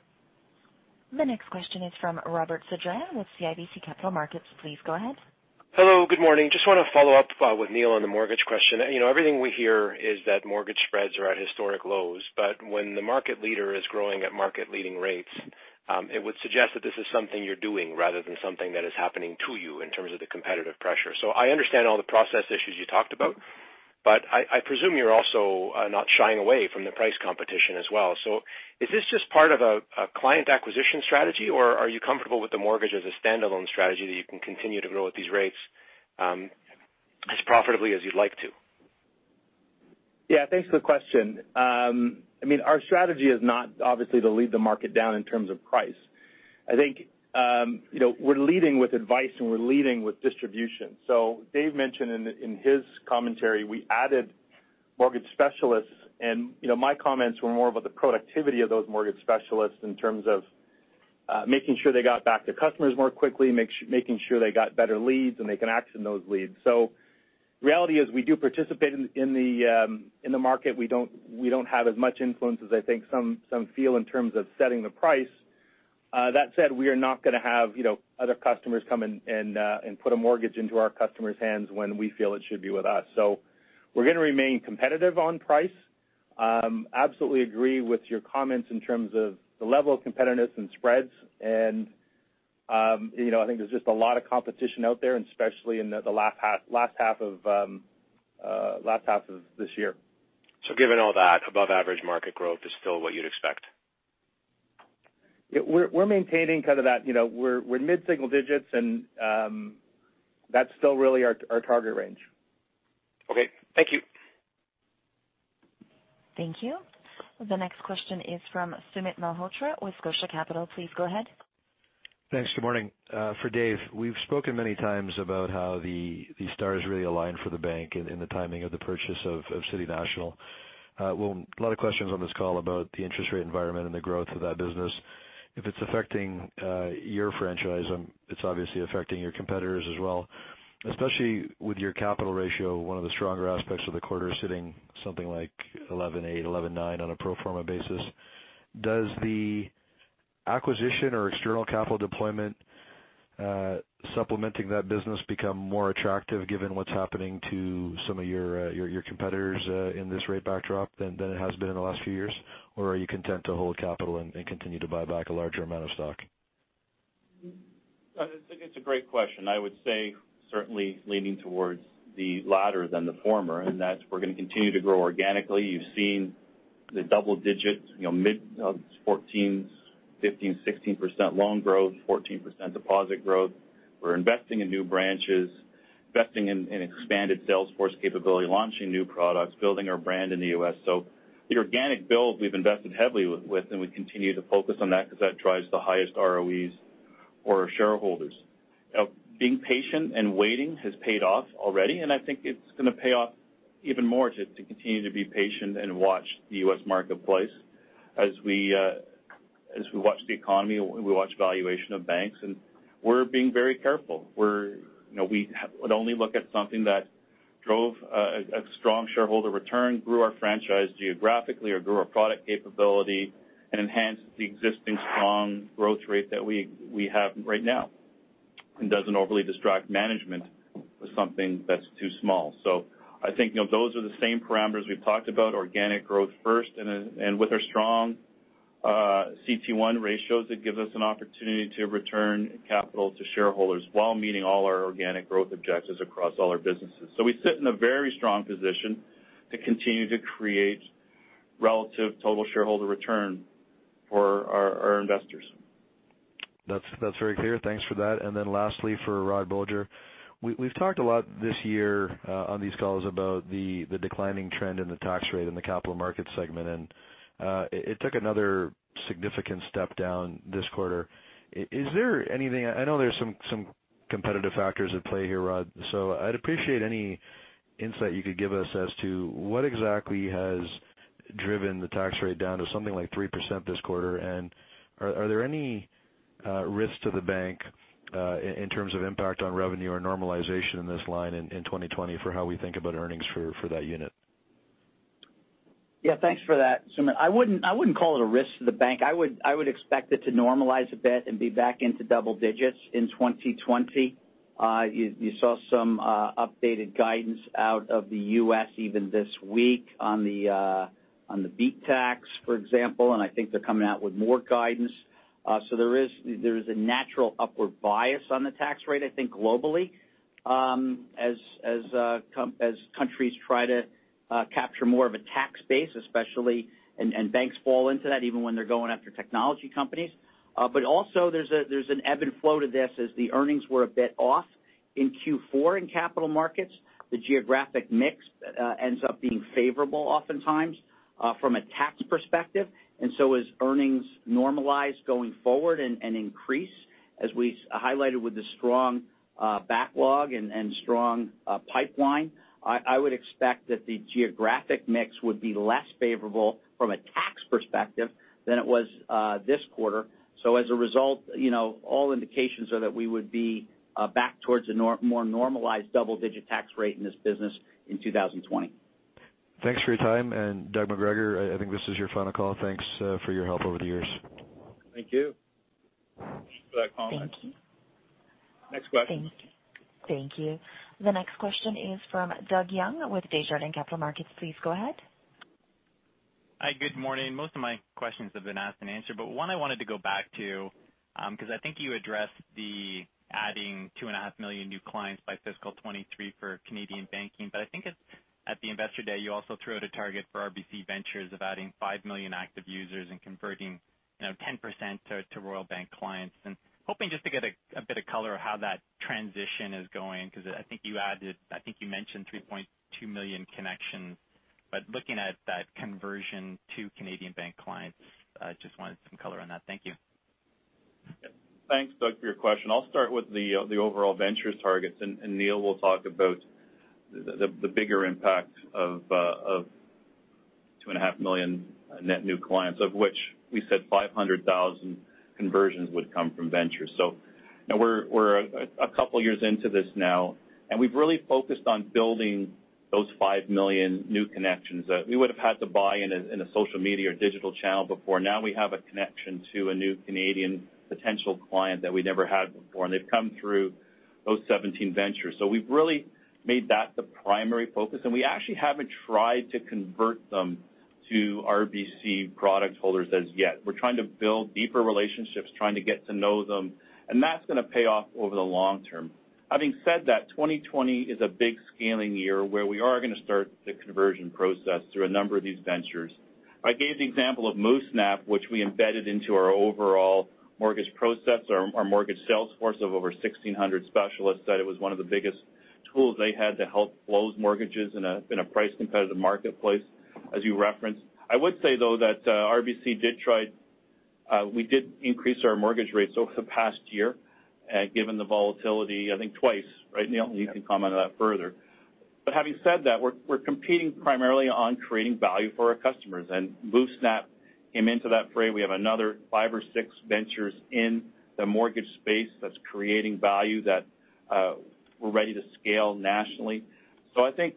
The next question is from Robert Sedran with CIBC Capital Markets. Please go ahead. Hello, good morning. Just want to follow up with Neil on the mortgage question. Everything we hear is that mortgage spreads are at historic lows. When the market leader is growing at market leading rates, it would suggest that this is something you're doing rather than something that is happening to you in terms of the competitive pressure. I understand all the process issues you talked about. I presume you're also not shying away from the price competition as well. Is this just part of a client acquisition strategy, or are you comfortable with the mortgage as a standalone strategy that you can continue to grow at these rates as profitably as you'd like to? Yeah, thanks for the question. Our strategy is not obviously to lead the market down in terms of price. I think we're leading with advice, and we're leading with distribution. Dave mentioned in his commentary, we added mortgage specialists, and my comments were more about the productivity of those mortgage specialists in terms of making sure they got back to customers more quickly, making sure they got better leads, and they can action those leads. Reality is we do participate in the market. We don't have as much influence as I think some feel in terms of setting the price. That said, we are not going to have other customers come in and put a mortgage into our customers' hands when we feel it should be with us. We're going to remain competitive on price. Absolutely agree with your comments in terms of the level of competitiveness and spreads. I think there's just a lot of competition out there, and especially in the last half of this year. Given all that, above average market growth is still what you'd expect? We're maintaining mid-single digits. That's still really our target range. Okay. Thank you. Thank you. The next question is from Sumit Malhotra with Scotia Capital. Please go ahead. Thanks. Good morning. For Dave, we've spoken many times about how the stars really aligned for the bank in the timing of the purchase of City National. A lot of questions on this call about the interest rate environment and the growth of that business. If it's affecting your franchise, it's obviously affecting your competitors as well, especially with your capital ratio, one of the stronger aspects of the quarter sitting something like 11.8%, 11.9% on a pro forma basis. Does the acquisition or external capital deployment supplementing that business become more attractive given what's happening to some of your competitors in this rate backdrop than it has been in the last few years? Are you content to hold capital and continue to buy back a larger amount of stock? I think it's a great question. I would say certainly leaning towards the latter than the former. We're going to continue to grow organically. You've seen the double digits, mid 14%, 15%, 16% loan growth, 14% deposit growth. We're investing in new branches, investing in expanded sales force capability, launching new products, building our brand in the U.S. The organic build we've invested heavily with. We continue to focus on that because that drives the highest ROEs for our shareholders. Being patient and waiting has paid off already. I think it's going to pay off even more to continue to be patient and watch the U.S. marketplace as we watch the economy, we watch valuation of banks, we're being very careful. We would only look at something that drove a strong shareholder return, grew our franchise geographically or grew our product capability and enhanced the existing strong growth rate that we have right now and doesn't overly distract management with something that's too small. I think those are the same parameters we've talked about, organic growth first and with our strong CET1 ratios, it gives us an opportunity to return capital to shareholders while meeting all our organic growth objectives across all our businesses. We sit in a very strong position to continue to create relative total shareholder return for our investors. That's very clear. Thanks for that. Lastly, for Rod Bolger. We've talked a lot this year on these calls about the declining trend in the tax rate in the Capital Markets segment, and it took another significant step down this quarter. I know there's some competitive factors at play here, Rod, so I'd appreciate any insight you could give us as to what exactly has driven the tax rate down to something like 3% this quarter, and are there any risks to the bank in terms of impact on revenue or normalization in this line in 2020 for how we think about earnings for that unit? Yeah, thanks for that, Sumit. I wouldn't call it a risk to the bank. I would expect it to normalize a bit and be back into double digits in 2020. You saw some updated guidance out of the U.S. even this week on the BEAT tax, for example. I think they're coming out with more guidance. There is a natural upward bias on the tax rate, I think globally, as countries try to capture more of a tax base, especially, and banks fall into that even when they're going after technology companies. Also there's an ebb and flow to this as the earnings were a bit off in Q4 in Capital Markets. The geographic mix ends up being favorable oftentimes from a tax perspective. As earnings normalize going forward and increase, as we highlighted with the strong backlog and strong pipeline, I would expect that the geographic mix would be less favorable from a tax perspective than it was this quarter. As a result, all indications are that we would be back towards a more normalized double-digit tax rate in this business in 2020. Thanks for your time. Doug McGregor, I think this is your final call. Thanks for your help over the years. Thank you for that comment. Thank you. Next question. Thank you. The next question is from Doug Young with Desjardins Capital Markets. Please go ahead. Hi, good morning. Most of my questions have been asked and answered, one I wanted to go back to because I think you addressed the adding 2.5 million new clients by FY 2023 for Canadian Banking. I think at the Investor Day, you also threw out a target for RBC Ventures of adding 5 million active users and converting 10% to Royal Bank clients. Hoping just to get a bit of color of how that transition is going because I think you mentioned 3.2 million connections, but looking at that conversion to Canadian Banking clients, I just wanted some color on that. Thank you. Thanks, Doug, for your question. I'll start with the overall Ventures targets. Neil will talk about the bigger impact of 2.5 million net new clients, of which we said 500,000 conversions would come from Ventures. We're a couple of years into this now. We've really focused on building those 5 million new connections that we would have had to buy in a social media or digital channel before. Now we have a connection to a new Canadian potential client that we never had before. They've come through those 17 Ventures. We've really made that the primary focus. We actually haven't tried to convert them to RBC product holders as yet. We're trying to build deeper relationships, trying to get to know them, and that's going to pay off over the long term. Having said that, 2020 is a big scaling year where we are going to start the conversion process through a number of these ventures. I gave the example of MoveSnap, which we embedded into our overall mortgage process, our mortgage sales force of over 1,600 specialists, that it was one of the biggest tools they had to help close mortgages in a price competitive marketplace, as you referenced. I would say, though, that RBC did increase our mortgage rates over the past year, given the volatility, I think twice, right, Neil? You can comment on that further. Having said that, we're competing primarily on creating value for our customers, and MoveSnap came into that fray. We have another five or six ventures in the mortgage space that's creating value that we're ready to scale nationally. I think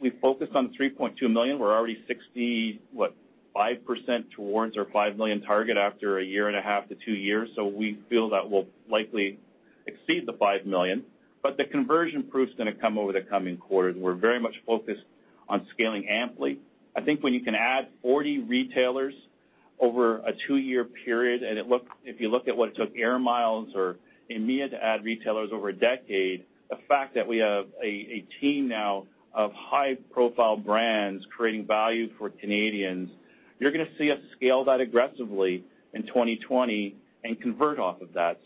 we focus on 3.2 million. We're already 65% towards our 5 million target after a year and a half to two years. We feel that we'll likely exceed the 5 million. The conversion proof's going to come over the coming quarters. We're very much focused on scaling Ampli. I think when you can add 40 retailers over a two-year period, and if you look at what it took AIR MILES or Aeroplan to add retailers over a decade, the fact that we have a team now of high-profile brands creating value for Canadians, you're going to see us scale that aggressively in 2020 and convert off of that.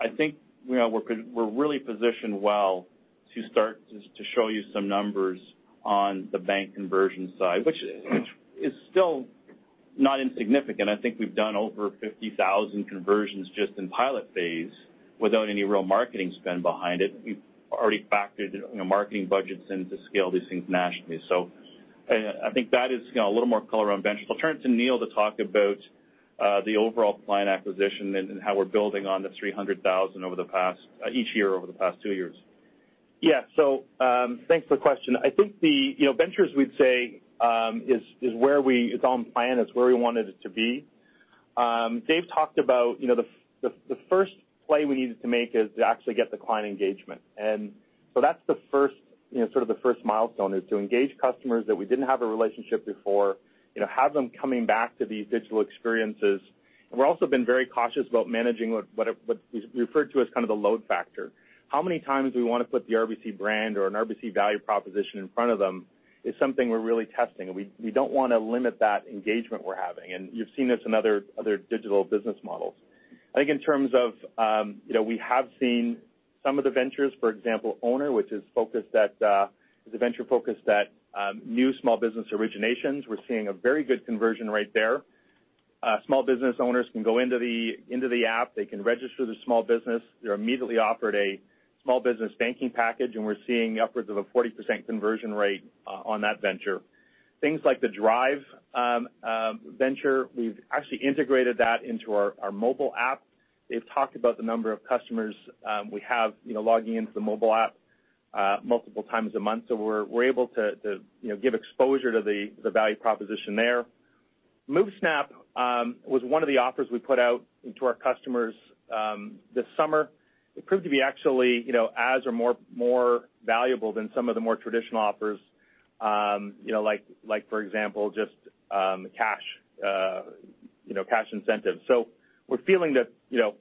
I think we're really positioned well to start to show you some numbers on the bank conversion side, which is still not insignificant. I think we've done over 50,000 conversions just in pilot phase without any real marketing spend behind it. We've already factored marketing budgets in to scale these things nationally. I think that is a little more color on RBC Ventures. I'll turn to Neil to talk about the overall client acquisition and how we're building on the 300,000 each year over the past two years. Thanks for the question. I think the ventures we'd say is on plan. It's where we wanted it to be. Dave talked about the first play we needed to make is to actually get the client engagement. That's the first milestone, is to engage customers that we didn't have a relationship before, have them coming back to these digital experiences. We've also been very cautious about managing what is referred to as the load factor. How many times we want to put the RBC brand or an RBC value proposition in front of them is something we're really testing, and we don't want to limit that engagement we're having. You've seen this in other digital business models. I think in terms of we have seen some of the ventures, for example, Ownr, which is a venture focused at new small business originations. We're seeing a very good conversion rate there. Small business owners can go into the app. They can register the small business. They're immediately offered a small business banking package, and we're seeing upwards of a 40% conversion rate on that venture. Things like the DRIVE venture, we've actually integrated that into our mobile app. Dave talked about the number of customers we have logging into the mobile app multiple times a month. We're able to give exposure to the value proposition there. MoveSnap was one of the offers we put out to our customers this summer. It proved to be actually as or more valuable than some of the more traditional offers like, for example, just cash incentives. We're feeling that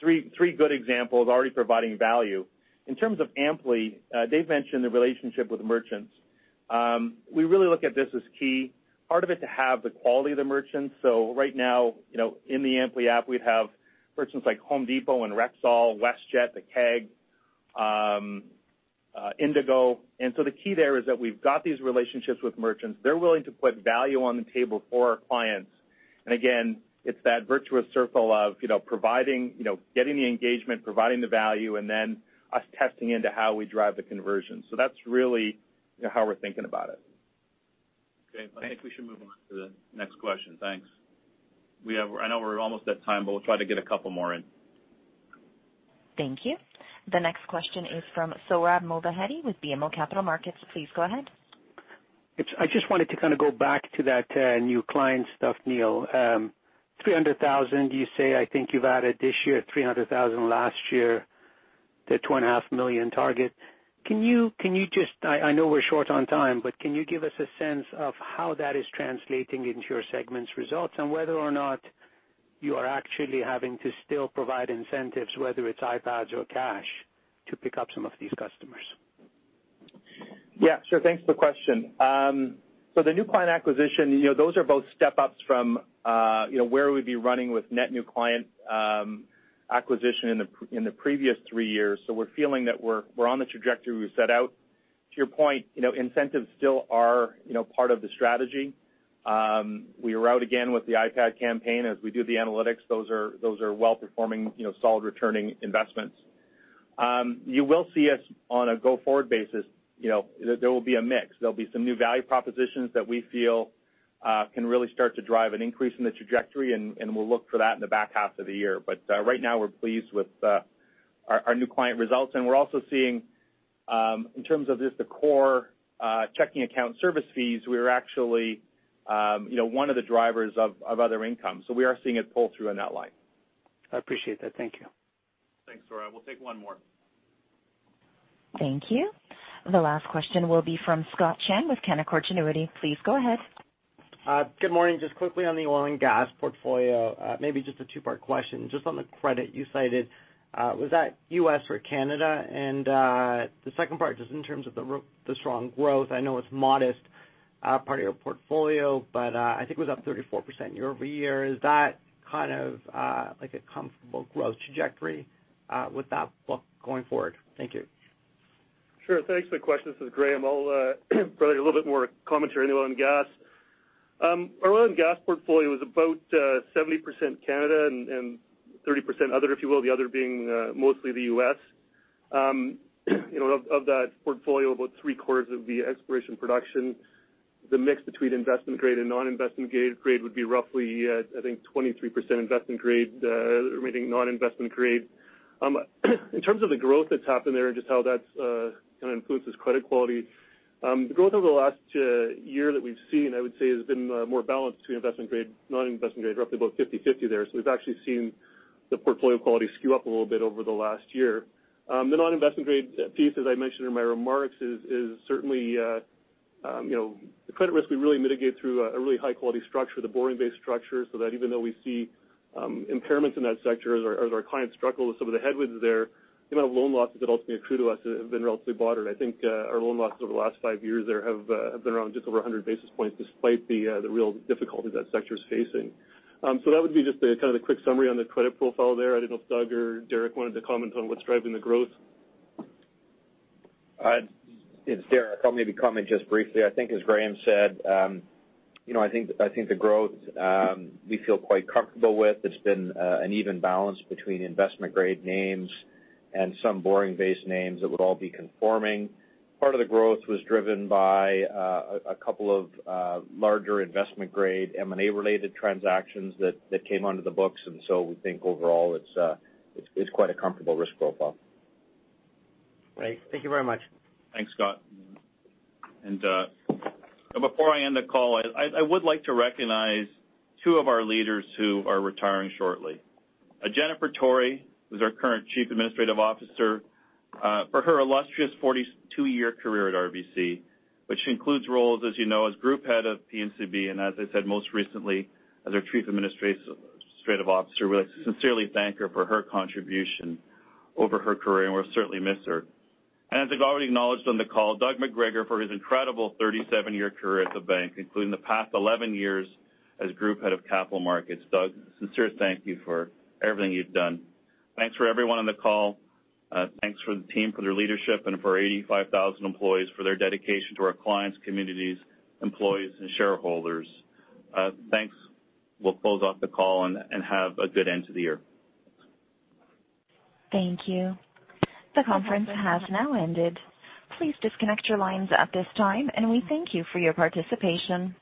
three good examples already providing value. In terms of Ampli, Dave mentioned the relationship with merchants. We really look at this as key. Part of it to have the quality of the merchants. Right now, in the Ampli app, we have merchants like Home Depot and Rexall, WestJet, The Keg, Indigo. The key there is that we've got these relationships with merchants. They're willing to put value on the table for our clients. Again, it's that virtuous circle of getting the engagement, providing the value, and then us testing into how we drive the conversion. That's really how we're thinking about it. Okay. I think we should move on to the next question. Thanks. I know we're almost at time, but we'll try to get a couple more in. Thank you. The next question is from Sohrab Movahedi with BMO Capital Markets. Please go ahead. I just wanted to go back to that new client stuff, Neil. 300,000 you say I think you've added this year, 300,000 last year to the two and a half million target. I know we're short on time, but can you give us a sense of how that is translating into your segment's results and whether or not you are actually having to still provide incentives, whether it's iPads or cash, to pick up some of these customers? Yeah, sure. Thanks for the question. The new client acquisition, those are both step-ups from where we'd be running with net new client acquisition in the previous three years. To your point, incentives still are part of the strategy. We are out again with the iPad campaign. As we do the analytics, those are well-performing, solid-returning investments. You will see us on a go-forward basis, there will be a mix. There'll be some new value propositions that we feel can really start to drive an increase in the trajectory, and we'll look for that in the back half of the year. Right now, we're pleased with our new client results, and we're also seeing in terms of just the core checking account service fees, we are actually one of the drivers of other income. We are seeing it pull through in that line. I appreciate that. Thank you. Thanks, Sohrab. We'll take one more. Thank you. The last question will be from Scott Chan with Canaccord Genuity. Please go ahead. Good morning. Just quickly on the oil and gas portfolio, maybe just a two-part question. Just on the credit you cited, was that U.S. or Canada? The second part, just in terms of the strong growth, I know it's modest part of your portfolio, but I think it was up 34% year-over-year. Is that kind of like a comfortable growth trajectory with that book going forward? Thank you. Sure. Thanks for the question. This is Graeme. I'll provide a little bit more commentary on oil and gas. Our oil and gas portfolio is about 70% Canada and 30% other, if you will, the other being mostly the U.S. Of that portfolio, about three-quarters of the exploration production, the mix between investment grade and non-investment grade would be roughly, I think, 23% investment grade, the remaining non-investment grade. In terms of the growth that's happened there and just how that kind of influences credit quality the growth over the last year that we've seen, I would say, has been more balanced between investment grade, non-investment grade, roughly about 50-50 there. We've actually seen the portfolio quality skew up a little bit over the last year. The non-investment grade piece, as I mentioned in my remarks, is certainly the credit risk we really mitigate through a really high-quality structure, the borrowing-based structure, so that even though we see impairments in that sector as our clients struggle with some of the headwinds there, the amount of loan losses that ultimately accrue to us have been relatively moderate. I think our loan losses over the last five years there have been around just over 100 basis points despite the real difficulties that sector is facing. That would be just a kind of a quick summary on the credit profile there. I don't know if Doug or Derek wanted to comment on what's driving the growth. It's Derek. I'll maybe comment just briefly. I think as Graeme said, the growth we feel quite comfortable with. It's been an even balance between investment grade names and some borrowing-based names that would all be conforming. Part of the growth was driven by a couple of larger investment grade M&A-related transactions that came onto the books. We think overall it's quite a comfortable risk profile. Great. Thank you very much. Thanks, Scott Chan. Before I end the call, I would like to recognize two of our leaders who are retiring shortly. Jennifer Tory, who's our current Chief Administrative Officer, for her illustrious 42-year career at RBC, which includes roles, as you know, as Group Head of P&CB and as I said, most recently as our Chief Administrative Officer. We'd like to sincerely thank her for her contribution over her career, and we'll certainly miss her. As I've already acknowledged on the call, Doug McGregor for his incredible 37-year career at the bank, including the past 11 years as Group Head of Capital Markets. Doug, sincere thank you for everything you've done. Thanks for everyone on the call. Thanks for the team for their leadership and for our 85,000 employees for their dedication to our clients, communities, employees, and shareholders. Thanks. We'll close off the call and have a good end to the year. Thank you. The conference has now ended. Please disconnect your lines at this time, and we thank you for your participation.